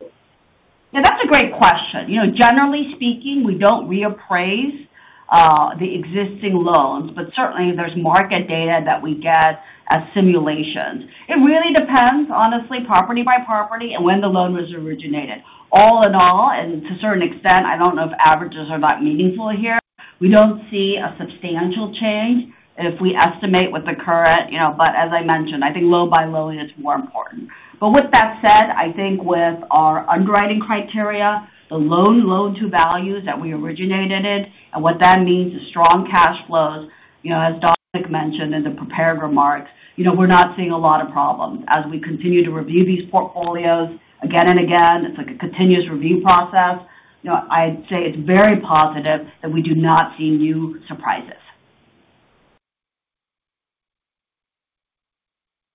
Yeah, that's a great question. You know, generally speaking, we don't reappraise the existing loans, but certainly there's market data that we get as simulations. It really depends, honestly, property by property and when the loan was originated. All in all, and to a certain extent, I don't know if averages are that meaningful here. We don't see a substantial change if we estimate what the current, you know. As I mentioned, I think loan by loan is more important. With that said, I think with our underwriting criteria, the loan to values that we originated it, and what that means is strong cash flows. You know, as Dominic mentioned in the prepared remarks, you know, we're not seeing a lot of problems. As we continue to review these portfolios again and again, it's like a continuous review process. You know, I'd say it's very positive that we do not see new surprises.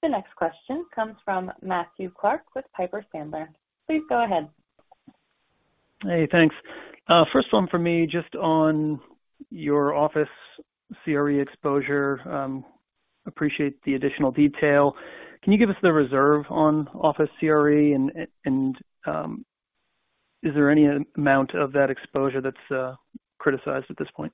The next question comes from Matthew Clark with Piper Sandler. Please go ahead.
Hey, thanks. First one for me, just on your office CRE exposure. Appreciate the additional detail. Can you give us the reserve on office CRE? Is there any amount of that exposure that's criticized at this point?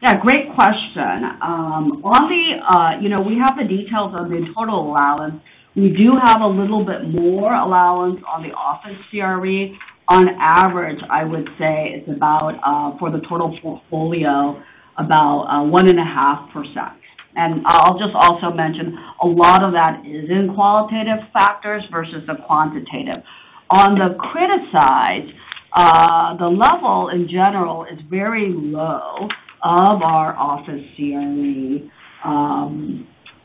Yeah, great question. On the, you know, we have the details of the total allowance. We do have a little bit more allowance on the office CRE. On average, I would say it's about, for the total portfolio, about 1.5%. I'll just also mention a lot of that is in qualitative factors versus the quantitative. On the credit side, the level in general is very low of our office CRE.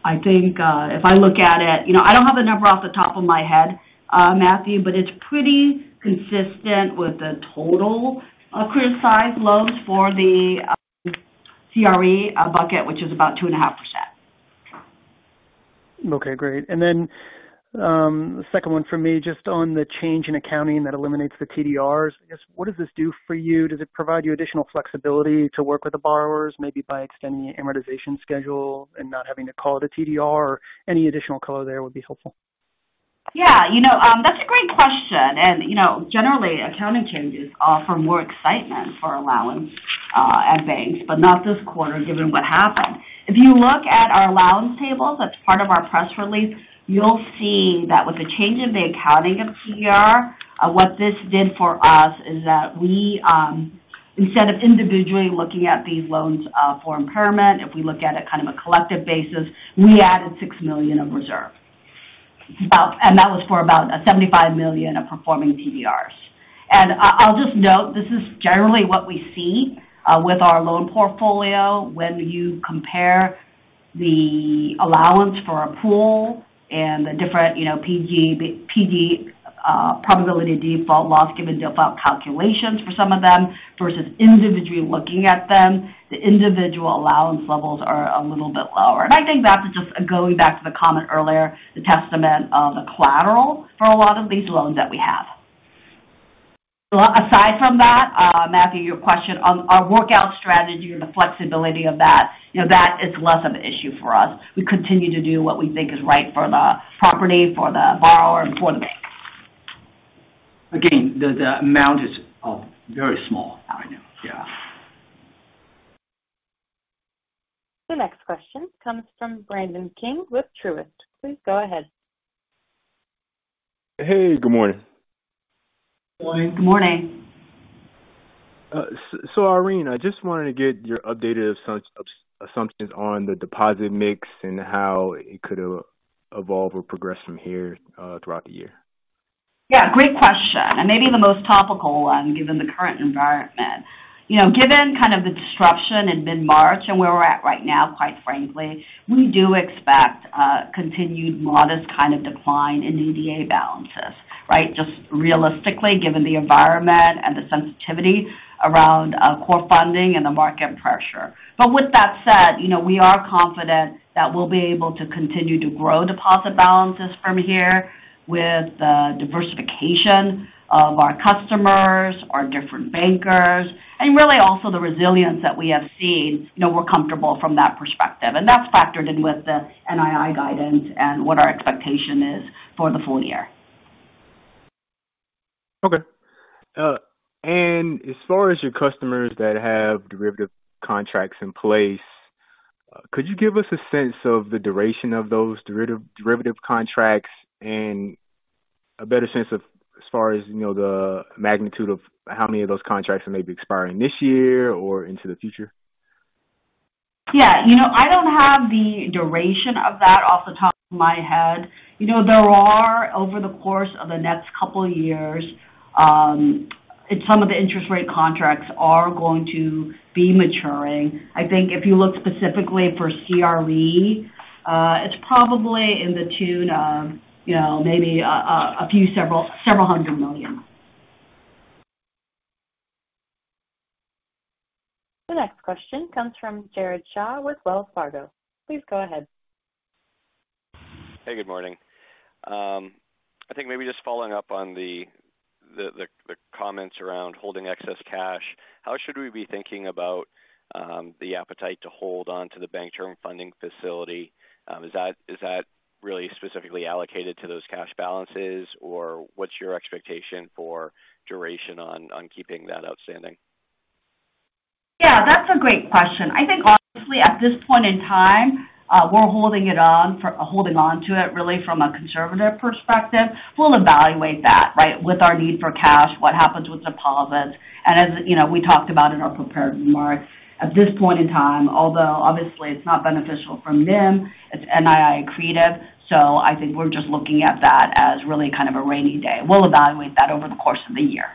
I think, if I look at it, you know, I don't have a number off the top of my head, Matthew, but it's pretty consistent with the total, credit size loans for the CRE bucket, which is about 2.5%.
Okay, great. The second one for me, just on the change in accounting that eliminates the TDRs. I guess, what does this do for you? Does it provide you additional flexibility to work with the borrowers, maybe by extending the amortization schedule and not having to call it a TDR or any additional color there would be helpful?
Yeah. You know, that's a great question. You know, generally, accounting changes offer more excitement for allowance at banks, but not this quarter, given what happened. If you look at our allowance tables, that's part of our press release, you'll see that with the change in the accounting of TDR, what this did for us is that we, instead of individually looking at these loans for impairment, if we look at a kind of a collective basis, we added $6 million of reserve. That was for about $75 million of performing TDRs. I'll just note, this is generally what we see with our loan portfolio. When you compare the allowance for a pool and the different, you know, LGD-PD, probability of default loss given default calculations for some of them versus individually looking at them, the individual allowance levels are a little bit lower. I think that's just going back to the comment earlier, the testament of the collateral for a lot of these loans that we have. Aside from that, Matthew, your question on our workout strategy or the flexibility of that, you know, that is less of an issue for us. We continue to do what we think is right for the property, for the borrower, and for the bank.
Again, the amount is, very small.
I know.
Yeah.
The next question comes from Brandon King with Truist. Please go ahead.
Hey, good morning.
Morning.
Good morning.
Irene, I just wanted to get your updated assumptions on the deposit mix and how it could evolve or progress from here throughout the year.
Yeah, great question, and maybe the most topical one given the current environment. You know, given kind of the disruption in mid-March and where we're at right now, quite frankly, we do expect continued modest kind of decline in DDA balances, right? Just realistically, given the environment and the sensitivity around core funding and the market pressure. With that said, you know, we are confident that we'll be able to continue to grow deposit balances from here with the diversification of our customers, our different bankers, and really also the resilience that we have seen. You know, we're comfortable from that perspective, and that's factored in with the NII guidance and what our expectation is for the full year.
Okay. As far as your customers that have derivative contracts in place, could you give us a sense of the duration of those derivative contracts and a better sense of as far as, you know, the magnitude of how many of those contracts may be expiring this year or into the future?
Yeah. You know, I don't have the duration of that off the top of my head. You know, there are over the course of the next couple years, some of the interest rate contracts are going to be maturing. I think if you look specifically for CRE, it's probably in the tune of, you know, maybe a few, several hundred million.
The next question comes from Jared Shaw with Wells Fargo. Please go ahead.
Hey, good morning. I think maybe just following up on the comments around holding excess cash, how should we be thinking about the appetite to hold onto the Bank Term Funding facility? Is that really specifically allocated to those cash balances? Or what's your expectation for duration on keeping that outstanding?
Yeah, that's a great question. I think honestly, at this point in time, we're holding on to it really from a conservative perspective. We'll evaluate that, right, with our need for cash, what happens with deposits. As you know, we talked about in our prepared remarks, at this point in time, although obviously it's not beneficial for NIM, it's NII accretive. I think we're just looking at that as really kind of a rainy day. We'll evaluate that over the course of the year.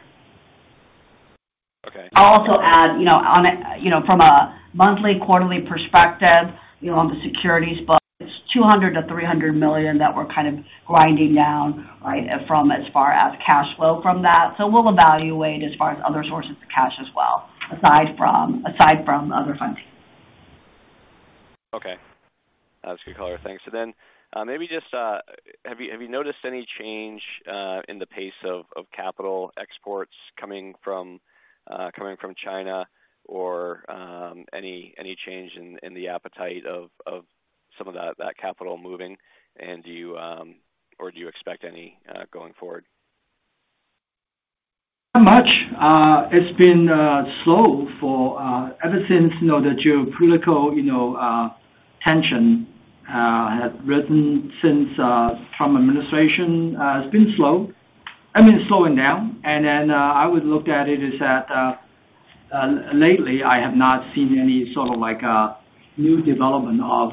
Okay.
I'll also add, you know, on a, you know, from a monthly, quarterly perspective, you know, on the securities book, it's $200 million-$300 million that we're kind of grinding down, right, from as far as cash flow from that. We'll evaluate as far as other sources of cash as well, aside from, aside from other funding.
Okay. That's a good color. Thanks. Maybe just, have you noticed any change in the pace of capital exports coming from China or any change in the appetite of some of that capital moving? Do you, or do you expect any going forward?
Not much. It's been slow for ever since, you know, the geopolitical, you know, tension had risen since Trump administration. It's been slow. I mean, it's slowing down. I would look at it is that lately I have not seen any sort of like a new development of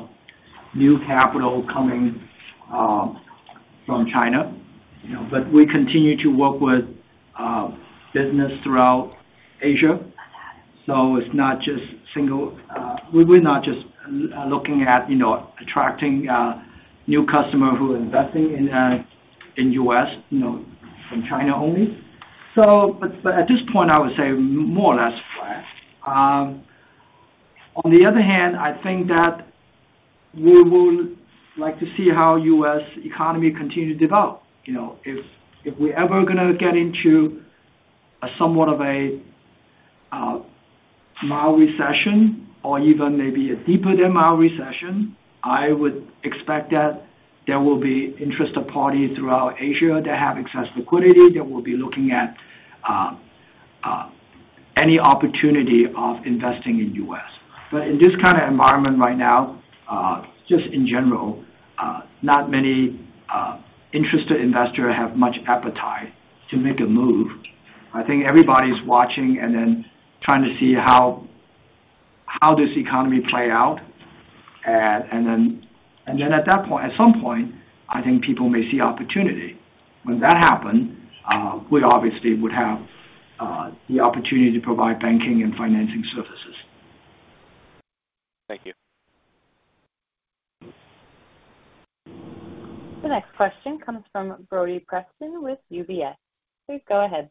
new capital coming from China. You know, we continue to work with business throughout Asia. It's not just we're not just looking at, you know, attracting new customer who are investing in U.S., you know, from China only. At this point, I would say more or less flat. On the other hand, I think that we would like to see how U.S. economy continue to develop. You know, if we're ever gonna get into a somewhat of a mild recession or even maybe a deeper than mild recession, I would expect that there will be interested parties throughout Asia that have excess liquidity, that will be looking at any opportunity of investing in U.S. In this kind of environment right now, just in general, not many interested investor have much appetite to make a move. I think everybody's watching and then trying to see how this economy play out. And then at some point, I think people may see opportunity. When that happen, we obviously would have the opportunity to provide banking and financing services.
Thank you.
The next question comes from Broderick Preston with UBS. Please go ahead.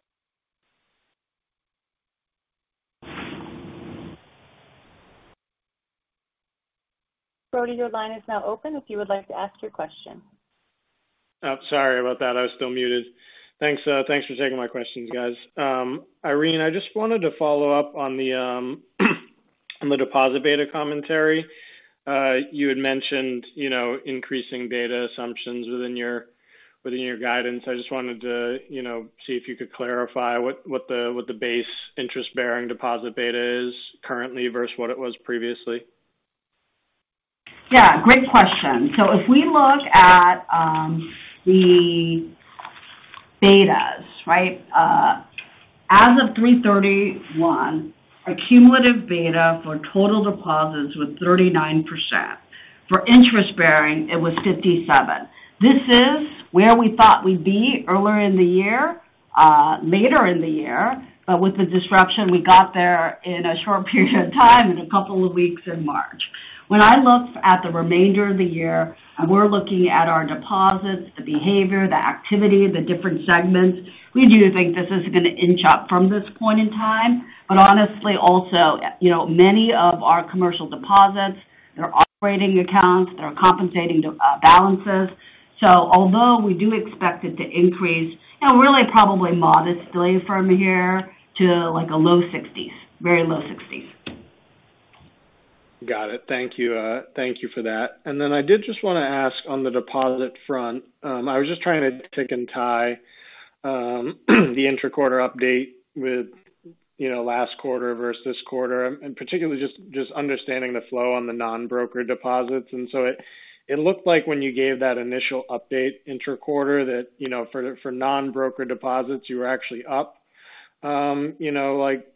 Brodie, your line is now open if you would like to ask your question.
Sorry about that. I was still muted. Thanks, thanks for taking my questions, guys. Irene, I just wanted to follow up on the, on the deposit beta commentary. You had mentioned, you know, increasing beta assumptions within your, within your guidance. I just wanted to, you know, see if you could clarify what the base interest-bearing deposit beta is currently versus what it was previously?
Yeah, great question. If we look at the betas, right? As of 3/31, our cumulative beta for total deposits was 39%. For interest bearing, it was 57%. This is where we thought we'd be earlier in the year, later in the year. With the disruption, we got there in a short period of time, in a couple of weeks in March. When I look at the remainder of the year, and we're looking at our deposits, the behavior, the activity, the different segments, we do think this is gonna inch up from this point in time. Honestly, also, you know, many of our commercial deposits, they're operating accounts, they're compensating the balances. Although we do expect it to increase, you know, really probably modestly from here to like a low-60s, very low-60s.
Got it. Thank you. Thank you for that. I did just wanna ask on the deposit front. I was just trying to tick and tie the interquarter update with, you know, last quarter versus this quarter, and particularly just understanding the flow on the non-broker deposits. It looked like when you gave that initial update interquarter that, you know, for non-broker deposits, you were actually up, you know, like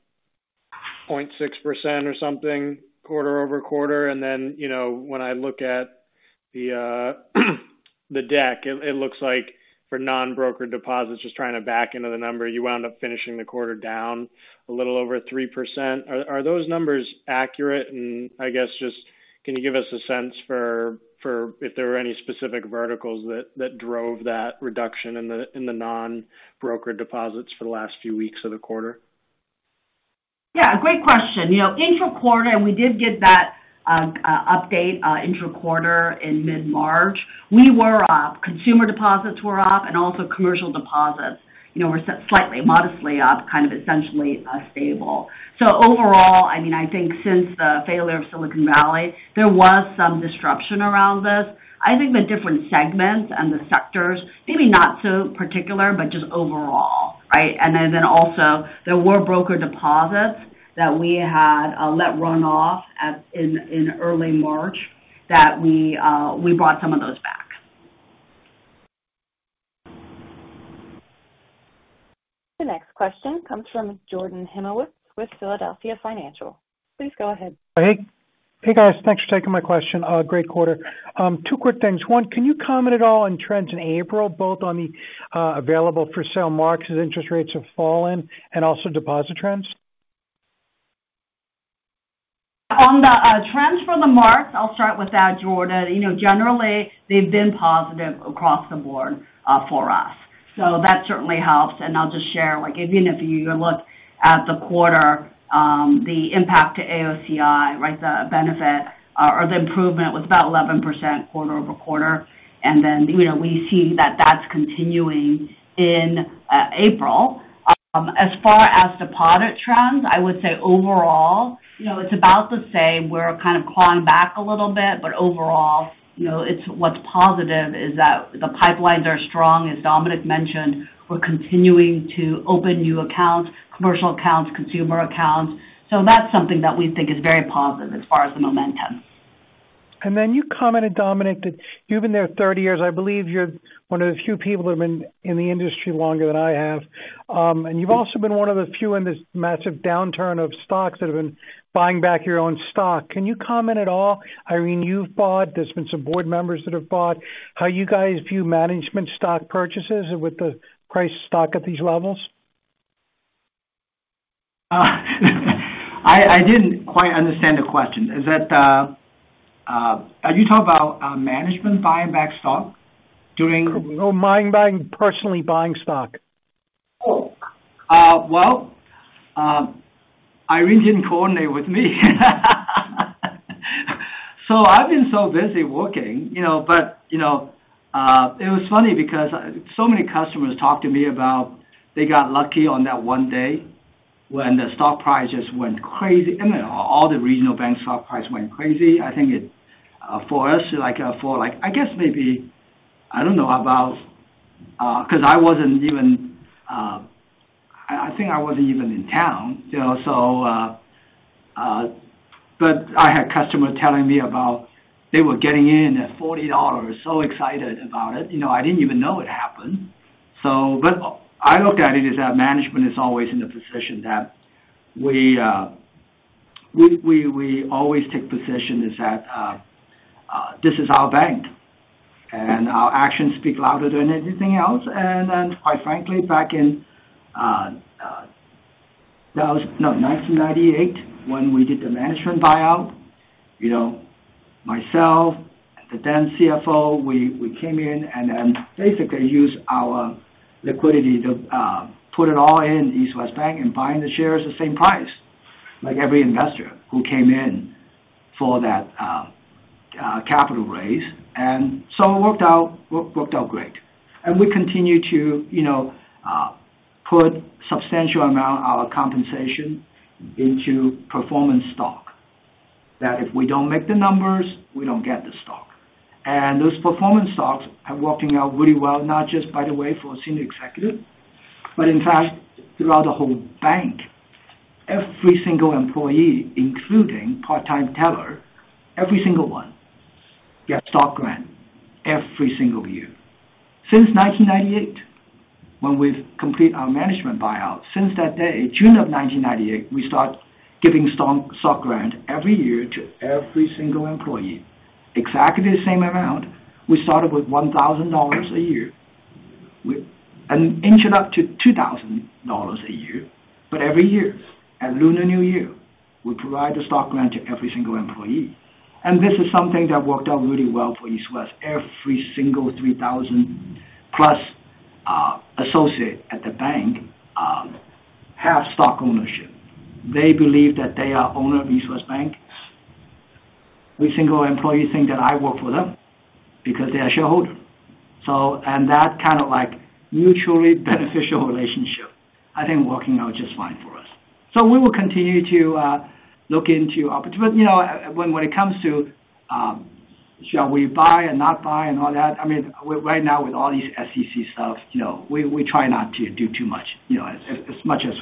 0.6% or something quarter over quarter. You know, when I look at the deck, it looks like for non-broker deposits, just trying to back into the number, you wound up finishing the quarter down a little over 3%. Are those numbers accurate? I guess just can you give us a sense for if there were any specific verticals that drove that reduction in the non-broker deposits for the last few weeks of the quarter?
Yeah, great question. You know, interquarter, we did give that update interquarter in mid-March. We were up. Consumer deposits were up and also commercial deposits were slightly modestly up, kind of essentially stable. Overall, I mean, I think since the failure of Silicon Valley, there was some disruption around this. I think the different segments and the sectors, maybe not so particular, but just overall, right? Also there were broker deposits that we had let run off at, in early March that we brought some of those back.
The next question comes from Jordan Himelowitz with Philadelphia Financial. Please go ahead.
Hey.
Hey, guys. Thanks for taking my question. Great quarter. Two quick things. One, can you comment at all on trends in April, both on the available for sale marks as interest rates have fallen and also deposit trends?
On the trends for the marks, I'll start with that, Jordan. You know, generally, they've been positive across the board for us. That certainly helps. I'll just share, like, even if you look at the quarter, the impact to AOCI, right, the benefit or the improvement was about 11% quarter-over-quarter. Then, you know, we see that that's continuing in April. As far as deposit trends, I would say overall, you know, it's about the same. We're kind of clawing back a little bit. Overall, you know, what's positive is that the pipelines are strong. As Dominic mentioned, we're continuing to open new accounts, commercial accounts, consumer accounts. That's something that we think is very positive as far as the momentum.
You commented, Dominic, that you've been there 30 years. I believe you're one of the few people that have been in the industry longer than I have. You've also been one of the few in this massive downturn of stocks that have been buying back your own stock. Can you comment at all, Irene, you've bought, there's been some board members that have bought, how you guys view management stock purchases with the price of stock at these levels?
I didn't quite understand the question. Is that, are you talking about management buying back stock during?
No, buying, personally buying stock.
Well, Irene didn't coordinate with me. I've been so busy working, you know. You know, it was funny because so many customers talked to me about they got lucky on that one day when the stock prices went crazy. I mean, all the regional bank stock price went crazy. I think it, for us, like, for like I guess maybe, I don't know about, 'cause I wasn't even, I think I wasn't even in town, you know. But I had customers telling me about they were getting in at $40, so excited about it. You know, I didn't even know it happened. I look at it as our management is always in the position that we always take position is that this is our bank, and our actions speak louder than anything else. Quite frankly, back in 1998, when we did the management buyout, you know, myself, the then CFO, we came in and basically used our liquidity to put it all in East West Bank and buying the shares the same price like every investor who came in for that capital raise. It worked out great. We continue to, you know, put substantial amount our compensation into performance stock that if we don't make the numbers, we don't get the stock. Those performance stocks are working out really well, not just by the way for senior executive, but in fact, throughout the whole bank. Every single employee, including part-time teller, every single one get stock grant every single year. Since 1998, when we've complete our management buyout, since that day, June of 1998, we start giving stock grant every year to every single employee, exactly the same amount. We started with $1,000 a year. Inched it up to $2,000 a year. Every year, at Lunar New Year, we provide a stock grant to every single employee. This is something that worked out really well for East West. Every single 3,000+ associate at the bank have stock ownership. They believe that they are owner of East West Bank. Every single employee think that I work for them because they are shareholder. That kind of like mutually beneficial relationship, I think working out just fine for us. We will continue to look into opportunities. You know, when it comes to, shall we buy and not buy and all that, I mean, right now with all these SEC stuff, you know, we try not to do too much, you know, as much as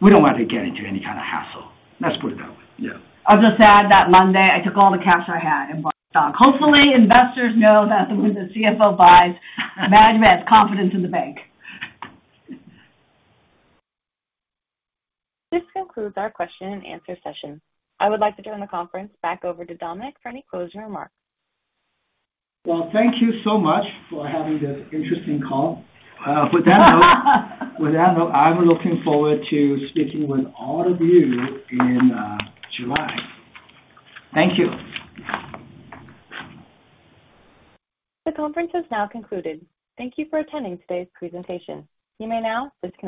we don't want to get into any kind of hassle. Let's put it that way. Yeah.
I'll just add that Monday, I took all the cash I had and bought stock. Hopefully, investors know that when the CFO buys, management has confidence in the bank.
This concludes our question and answer session. I would like to turn the conference back over to Dominic for any closing remarks.
Well, thank you so much for having this interesting call. With that note, I'm looking forward to speaking with all of you in July. Thank you.
The conference has now concluded. Thank you for attending today's presentation. You may now disconnect.